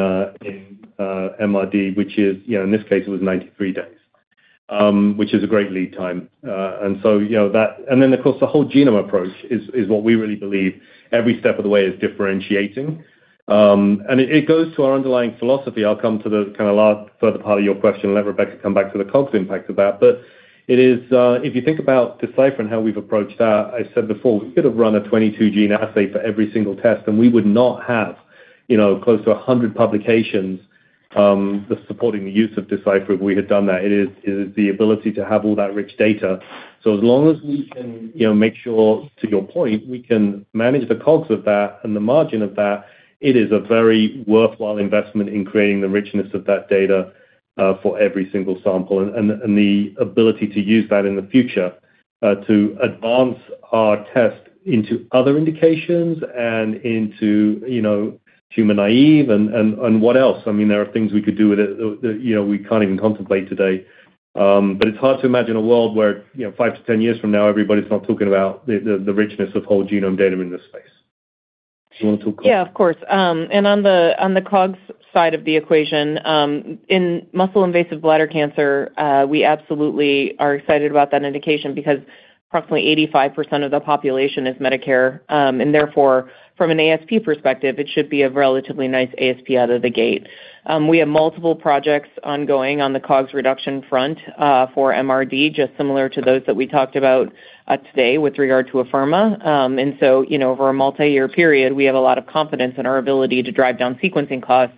MRD, which is, in this case, it was 93 days, which is a great lead time. That, and then, of course, the whole genome approach is what we really believe every step of the way is differentiating. It goes to our underlying philosophy. I will come to the kind of last further part of your question and let Rebecca come back to the COGS impact of that. If you think about Decipher and how we've approached that, I said before, we could have run a 22-gene assay for every single test, and we would not have close to 100 publications supporting the use of Decipher if we had done that. It is the ability to have all that rich data. As long as we can make sure, to your point, we can manage the COGS of that and the margin of that, it is a very worthwhile investment in creating the richness of that data for every single sample and the ability to use that in the future to advance our test into other indications and into human naive and what else. I mean, there are things we could do with it that we can't even contemplate today. It's hard to imagine a world where 5-10 years from now, everybody's not talking about the richness of whole genome data in this space. Do you want to talk? Yeah, of course. On the COGS side of the equation, in muscle-invasive bladder cancer, we absolutely are excited about that indication because approximately 85% of the population is Medicare. Therefore, from an ASP perspective, it should be a relatively nice ASP out of the gate. We have multiple projects ongoing on the COGS reduction front for MRD, just similar to those that we talked about today with regard to Afirma. Over a multi-year period, we have a lot of confidence in our ability to drive down sequencing costs,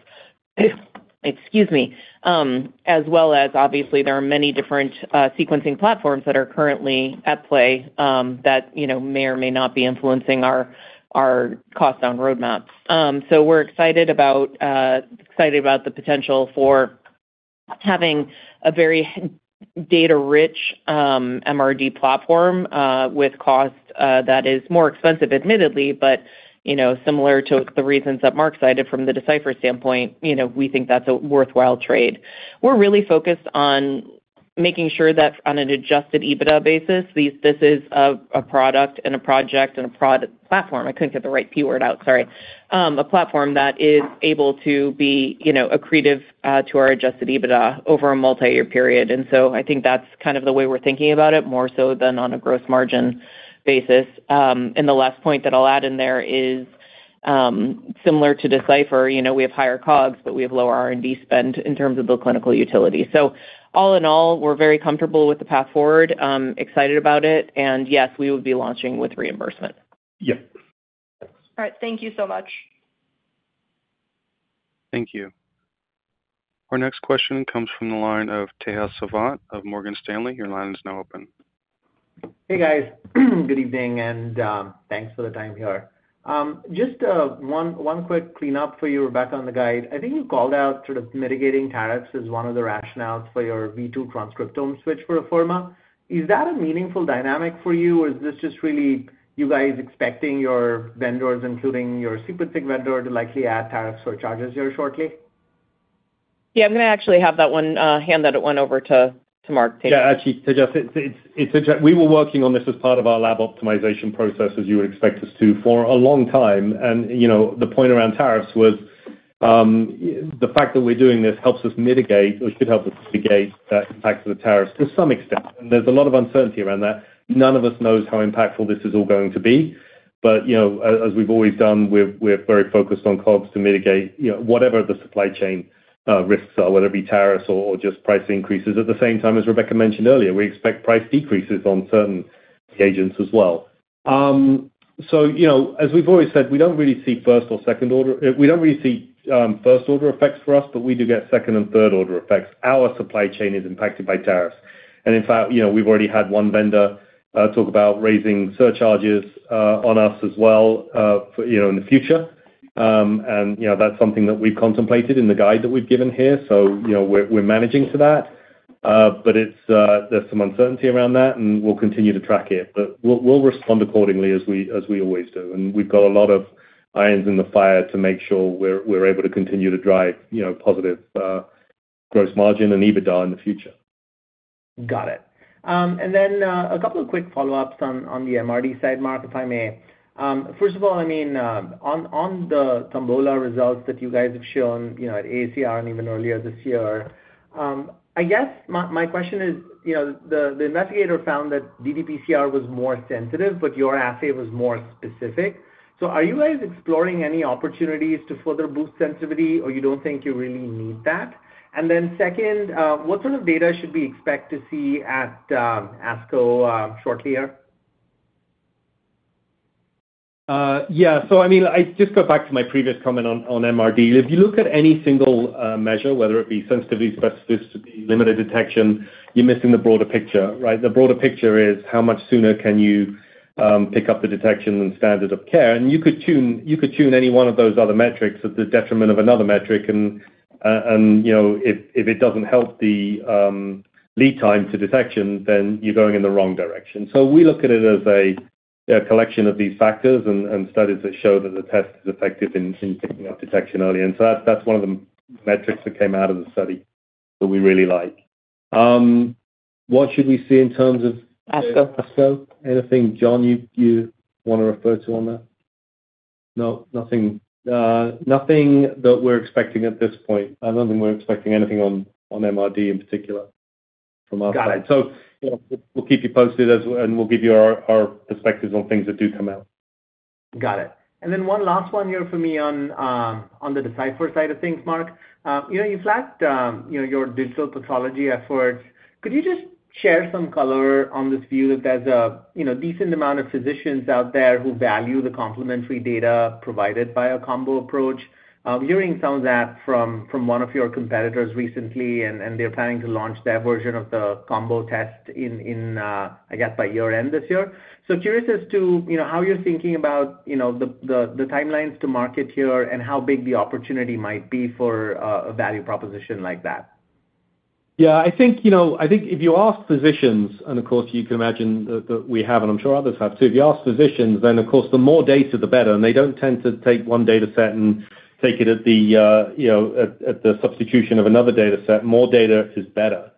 excuse me, as well as obviously, there are many different sequencing platforms that are currently at play that may or may not be influencing our cost-down roadmap. We are excited about the potential for having a very data-rich MRD platform with cost that is more expensive, admittedly, but similar to the reasons that Marc cited from the Decipher standpoint, we think that is a worthwhile trade. We are really focused on making sure that on an adjusted EBITDA basis, this is a product and a project and a platform. I could not get the right keyword out. Sorry. A platform that is able to be accretive to our adjusted EBITDA over a multi-year period. I think that's kind of the way we're thinking about it, more so than on a gross margin basis. The last point that I'll add in there is similar to Decipher, we have higher COGS, but we have lower R&D spend in terms of the clinical utility. All in all, we're very comfortable with the path forward, excited about it. Yes, we would be launching with reimbursement. Yep. All right. Thank you so much. Thank you. Our next question comes from the line of Tejas Sawant of Morgan Stanley. Your line is now open. Hey, guys. Good evening and thanks for the time here. Just one quick cleanup for you, Rebecca, on the guide. I think you called out sort of mitigating tariffs as one of the rationales for your v2 transcriptome switch for Afirma. Is that a meaningful dynamic for you, or is this just really you guys expecting your vendors, including your super thick vendor, to likely add tariffs or charges here shortly? Yeah, I'm going to actually hand that one over to Marc. Yeah, actually, Tejas, we were working on this as part of our lab optimization process, as you would expect us to, for a long time. The point around tariffs was the fact that we're doing this helps us mitigate or should help us mitigate the impact of the tariffs to some extent. There is a lot of uncertainty around that. None of us knows how impactful this is all going to be. As we've always done, we're very focused on COGS to mitigate whatever the supply chain risks are, whether it be tariffs or just price increases. At the same time, as Rebecca mentioned earlier, we expect price decreases on certain agents as well. As we've always said, we don't really see first or second order. We don't really see first-order effects for us, but we do get second and third-order effects. Our supply chain is impacted by tariffs. In fact, we've already had one vendor talk about raising surcharges on us as well in the future. That's something that we've contemplated in the guide that we've given here. We're managing to that. There's some uncertainty around that, and we'll continue to track it. We'll respond accordingly, as we always do. We've got a lot of irons in the fire to make sure we're able to continue to drive positive gross margin and EBITDA in the future. Got it. And then a couple of quick follow-ups on the MRD side, Marc, if I may. First of all, I mean, on the TOMBOLA results that you guys have shown at ACR and even earlier this year, I guess my question is the investigator found that ddPCR was more sensitive, but your assay was more specific. So are you guys exploring any opportunities to further boost sensitivity, or you do not think you really need that? And then second, what sort of data should we expect to see at ASCO shortly here? Yeah. I mean, I just go back to my previous comment on MRD. If you look at any single measure, whether it be sensitivity, specificity, limit of detection, you are missing the broader picture, right? The broader picture is how much sooner can you pick up the detection and standard of care. You could tune any one of those other metrics at the detriment of another metric. If it does not help the lead time to detection, then you are going in the wrong direction. We look at it as a collection of these factors and studies that show that the test is effective in picking up detection early. That is one of the metrics that came out of the study that we really like. What should we see in terms of ASCO? Anything, John, you want to refer to on that? No, nothing. Nothing that we are expecting at this point. I do not think we are expecting anything on MRD in particular from us. Got it. We will keep you posted, and we will give you our perspectives on things that do come out. Got it. One last one here for me on the Decipher side of things, Marc. You flagged your digital pathology efforts. Could you just share some color on this view that there is a decent amount of physicians out there who value the complementary data provided by a combo approach? I am hearing some of that from one of your competitors recently, and they are planning to launch their version of the combo test in, I guess, by year-end this year. Curious as to how you are thinking about the timelines to market here and how big the opportunity might be for a value proposition like that. Yeah. I think if you ask physicians, and of course, you can imagine that we have, and I am sure others have too, if you ask physicians, then of course, the more data, the better. They do not tend to take one data set and take it at the substitution of another data set. More data is better.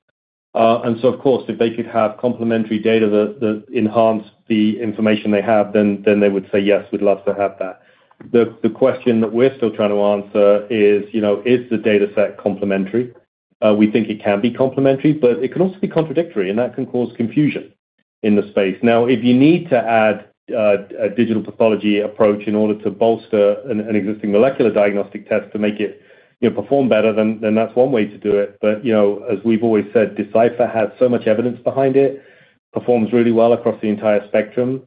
Of course, if they could have complementary data that enhance the information they have, then they would say, "Yes, we'd love to have that." The question that we're still trying to answer is, is the data set complementary? We think it can be complementary, but it can also be contradictory, and that can cause confusion in the space. Now, if you need to add a digital pathology approach in order to bolster an existing molecular diagnostic test to make it perform better, that's one way to do it. As we've always said, Decipher has so much evidence behind it, performs really well across the entire spectrum,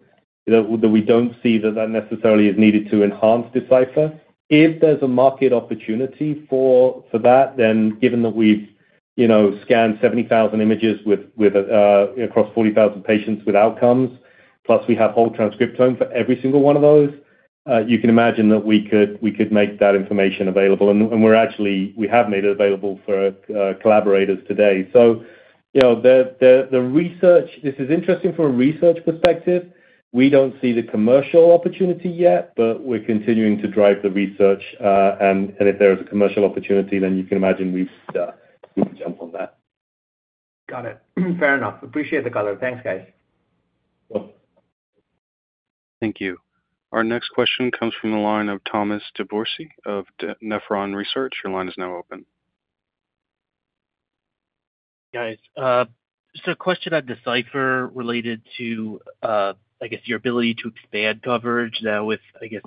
that we don't see that that necessarily is needed to enhance Decipher. If there's a market opportunity for that, then given that we've scanned 70,000 images across 40,000 patients with outcomes, plus we have whole transcriptome for every single one of those, you can imagine that we could make that information available. We have made it available for collaborators today. The research, this is interesting from a research perspective. We don't see the commercial opportunity yet, but we're continuing to drive the research. If there is a commercial opportunity, you can imagine we would jump on that. Got it. Fair enough. Appreciate the color. Thanks, guys. Thank you. Our next question comes from the line of Thomas DeBourcy of Nepheron Research. Your line is now open. Hey, guys. A question at Decipher related to, I guess, your ability to expand coverage now with, I guess,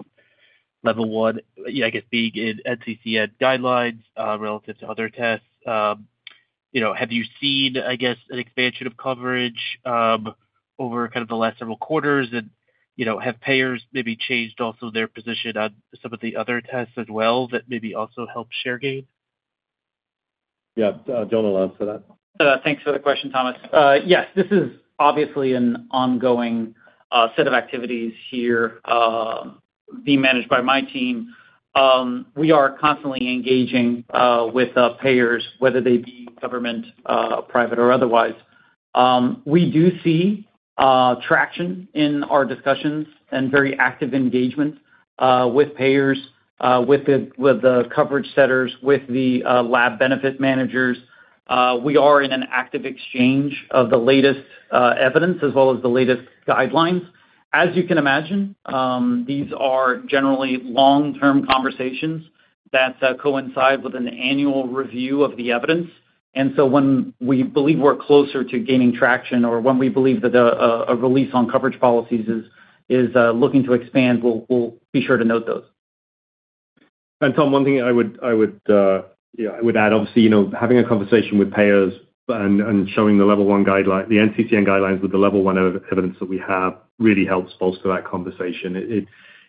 level one, I guess, being NCCN guidelines relative to other tests. Have you seen, I guess, an expansion of coverage over kind of the last several quarters? Have payers maybe changed also their position on some of the other tests as well that maybe also help share gain? Yeah. John will answer that. Thanks for the question, Thomas. Yes. This is obviously an ongoing set of activities here being managed by my team. We are constantly engaging with payers, whether they be government, private, or otherwise. We do see traction in our discussions and very active engagement with payers, with the coverage setters, with the lab benefit managers. We are in an active exchange of the latest evidence as well as the latest guidelines. As you can imagine, these are generally long-term conversations that coincide with an annual review of the evidence. When we believe we are closer to gaining traction or when we believe that a release on coverage policies is looking to expand, we will be sure to note those. Tom, one thing I would add, obviously, having a conversation with payers and showing the level one guideline, the NCCN guidelines with the level one evidence that we have really helps bolster that conversation.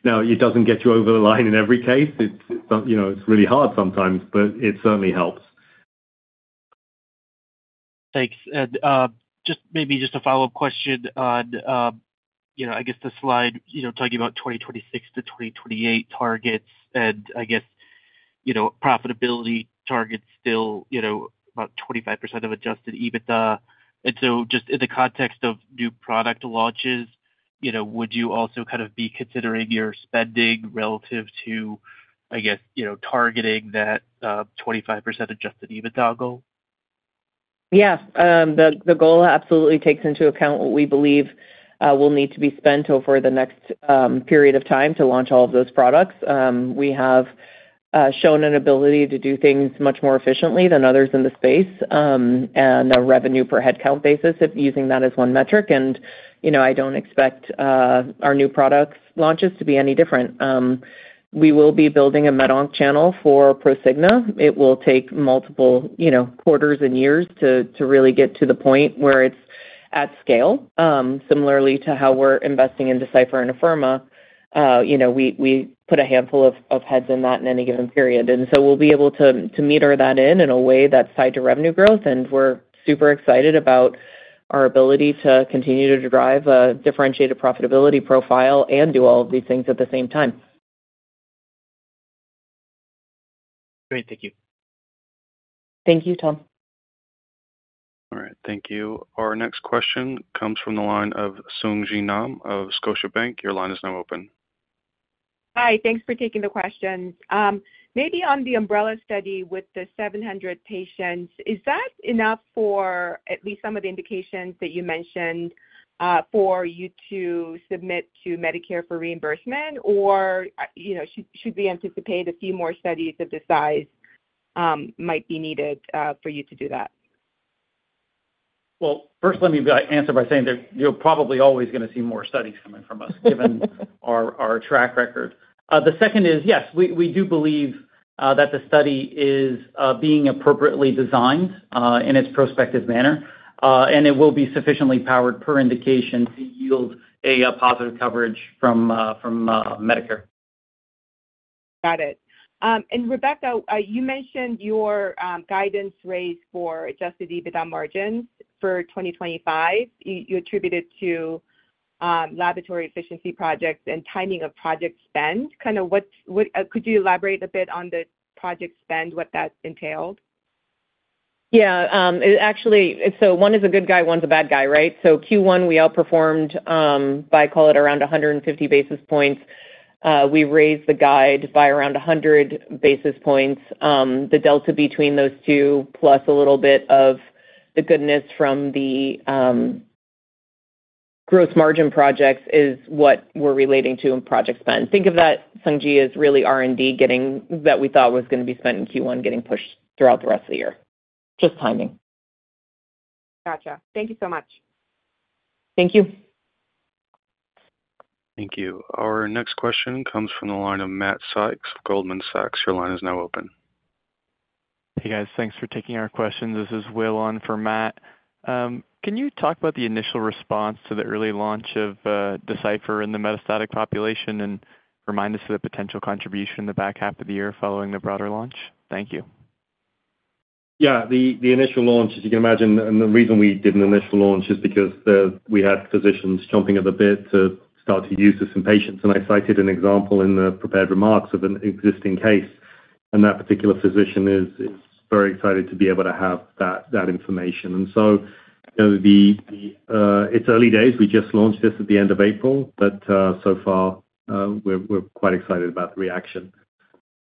It does not get you over the line in every case. It is really hard sometimes, but it certainly helps. Thanks. Maybe just a follow-up question on the slide talking about 2026 to 2028 targets and profitability targets still about 25% of adjusted EBITDA. In the context of new product launches, would you also be considering your spending relative to targeting that 25% adjusted EBITDA goal? Yes. The goal absolutely takes into account what we believe will need to be spent over the next period of time to launch all of those products. We have shown an ability to do things much more efficiently than others in the space and a revenue per headcount basis if using that as one metric. I do not expect our new product launches to be any different. We will be building a [MedOnc] channel for Prosigna. It will take multiple quarters and years to really get to the point where it is at scale. Similarly to how we are investing in Decipher and Afirma, we put a handful of heads in that in any given period. We will be able to meter that in in a way that is tied to revenue growth. We're super excited about our ability to continue to drive a differentiated profitability profile and do all of these things at the same time. Great. Thank you. Thank you, Tom. All right. Thank you. Our next question comes from the line of Sung Ji Nam of Scotiabank. Your line is now open. Hi. Thanks for taking the questions. Maybe on the UMBRELLA study with the 700 patients, is that enough for at least some of the indications that you mentioned for you to submit to Medicare for reimbursement, or should we anticipate a few more studies of the size might be needed for you to do that? First, let me answer by saying that you're probably always going to see more studies coming from us, given our track record. The second is, yes, we do believe that the study is being appropriately designed in its prospective manner, and it will be sufficiently powered per indication to yield a positive coverage from Medicare. Got it. Rebecca, you mentioned your guidance raised for adjusted EBITDA margins for 2025. You attributed it to laboratory efficiency projects and timing of project spend. Kind of could you elaborate a bit on the project spend, what that entailed? Yeah. Actually, one is a good guy, one's a bad guy, right? Q1, we outperformed by, call it, around 150 basis points. We raised the guide by around 100 basis points. The delta between those two, plus a little bit of the goodness from the gross margin projects, is what we're relating to in project spend. Think of that, Sung Ji, as really R&D that we thought was going to be spent in Q1 getting pushed throughout the rest of the year. Just timing. Gotcha. Thank you so much. Thank you. Thank you. Our next question comes from the line of Matt Sykes of Goldman Sachs. Your line is now open. Hey, guys. Thanks for taking our questions. This is Will on for Matt. Can you talk about the initial response to the early launch of Decipher in the metastatic population and remind us of the potential contribution in the back half of the year following the broader launch? Thank you. Yeah. The initial launch, as you can imagine, and the reason we did an initial launch is because we had physicians jumping at the bit to start to use this in patients. And I cited an example in the prepared remarks of an existing case. That particular physician is very excited to be able to have that information. It is early days. We just launched this at the end of April. So far, we are quite excited about the reaction.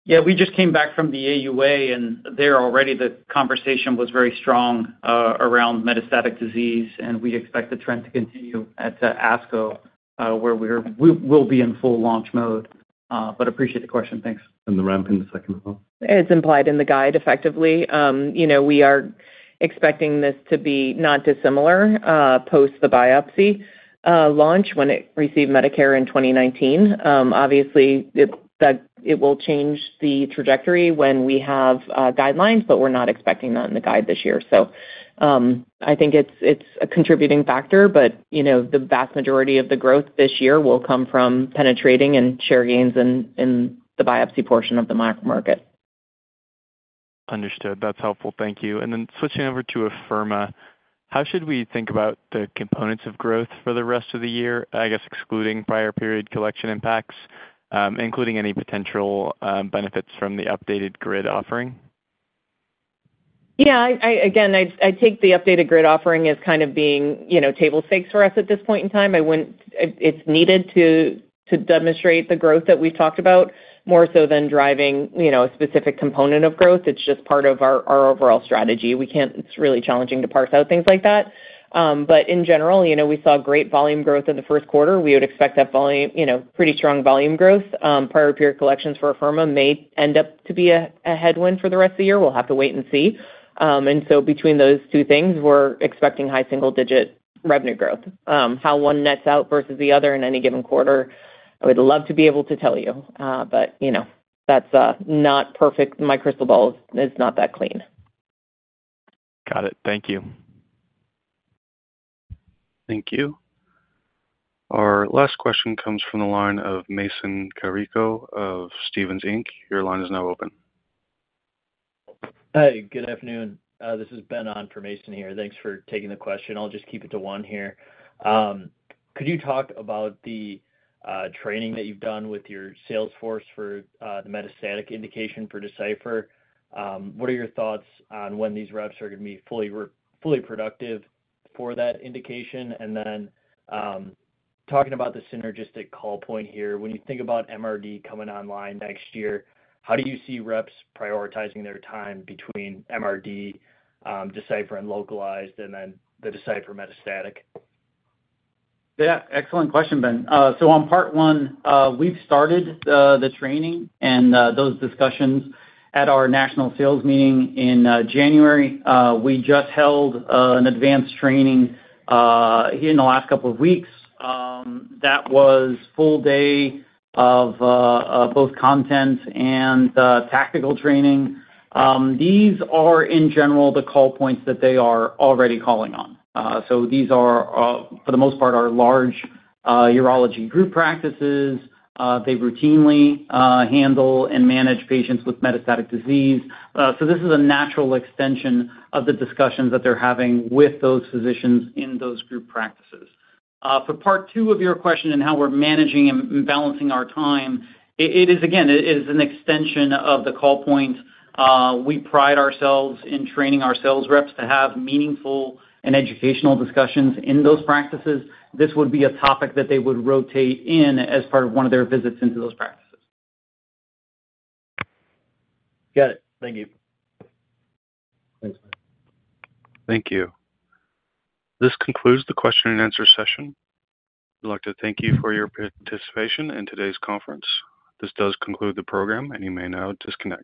We just came back from the AUA, and already the conversation was very strong around metastatic disease. We expect the trend to continue at ASCO, where we will be in full launch mode. I appreciate the question. Thanks. The ramp in the second half? Is implied in the guide, is expected. We are expecting this to be not dissimilar post the biopsy launch when it received Medicare in 2019. Obviously, it will change the trajectory when we have guidelines, but we are not expecting that in the guide this year. I think it's a contributing factor, but the vast majority of the growth this year will come from penetrating and share gains in the biopsy portion of the macro market. Understood. That's helpful. Thank you. Switching over to Afirma, how should we think about the components of growth for the rest of the year, I guess, excluding prior period collection impacts, including any potential benefits from the updated GRID offering? Yeah. Again, I take the updated GRID offering as kind of being table stakes for us at this point in time. It's needed to demonstrate the growth that we've talked about more so than driving a specific component of growth. It's just part of our overall strategy. It's really challenging to parse out things like that. In general, we saw great volume growth in the first quarter. We would expect that pretty strong volume growth. Prior period collections for Afirma may end up to be a headwind for the rest of the year. We'll have to wait and see. Between those two things, we're expecting high single-digit revenue growth. How one nets out versus the other in any given quarter, I would love to be able to tell you. That's not perfect. My crystal ball is not that clean. Got it. Thank you. Thank you. Our last question comes from the line of Mason Carrico of Stephens Inc. Your line is now open. Hi. Good afternoon. This is Ben on for Mason here. Thanks for taking the question. I'll just keep it to one here. Could you talk about the training that you've done with your salesforce for the metastatic indication for Decipher? What are your thoughts on when these reps are going to be fully productive for that indication? Talking about the synergistic call point here, when you think about MRD coming online next year, how do you see reps prioritizing their time between MRD, Decipher, and localized, and then the Decipher metastatic? Yeah. Excellent question, Ben. On part one, we have started the training and those discussions at our national sales meeting in January. We just held an advanced training in the last couple of weeks. That was a full day of both content and tactical training. These are, in general, the call points that they are already calling on. These are, for the most part, our large urology group practices. They routinely handle and manage patients with metastatic disease. This is a natural extension of the discussions that they are having with those physicians in those group practices. For part two of your question and how we're managing and balancing our time, again, it is an extension of the call points. We pride ourselves in training our sales reps to have meaningful and educational discussions in those practices. This would be a topic that they would rotate in as part of one of their visits into those practices. Got it. Thank you. Thanks, Ben. Thank you. This concludes the question and answer session. We'd like to thank you for your participation in today's conference. This does conclude the program, and you may now disconnect.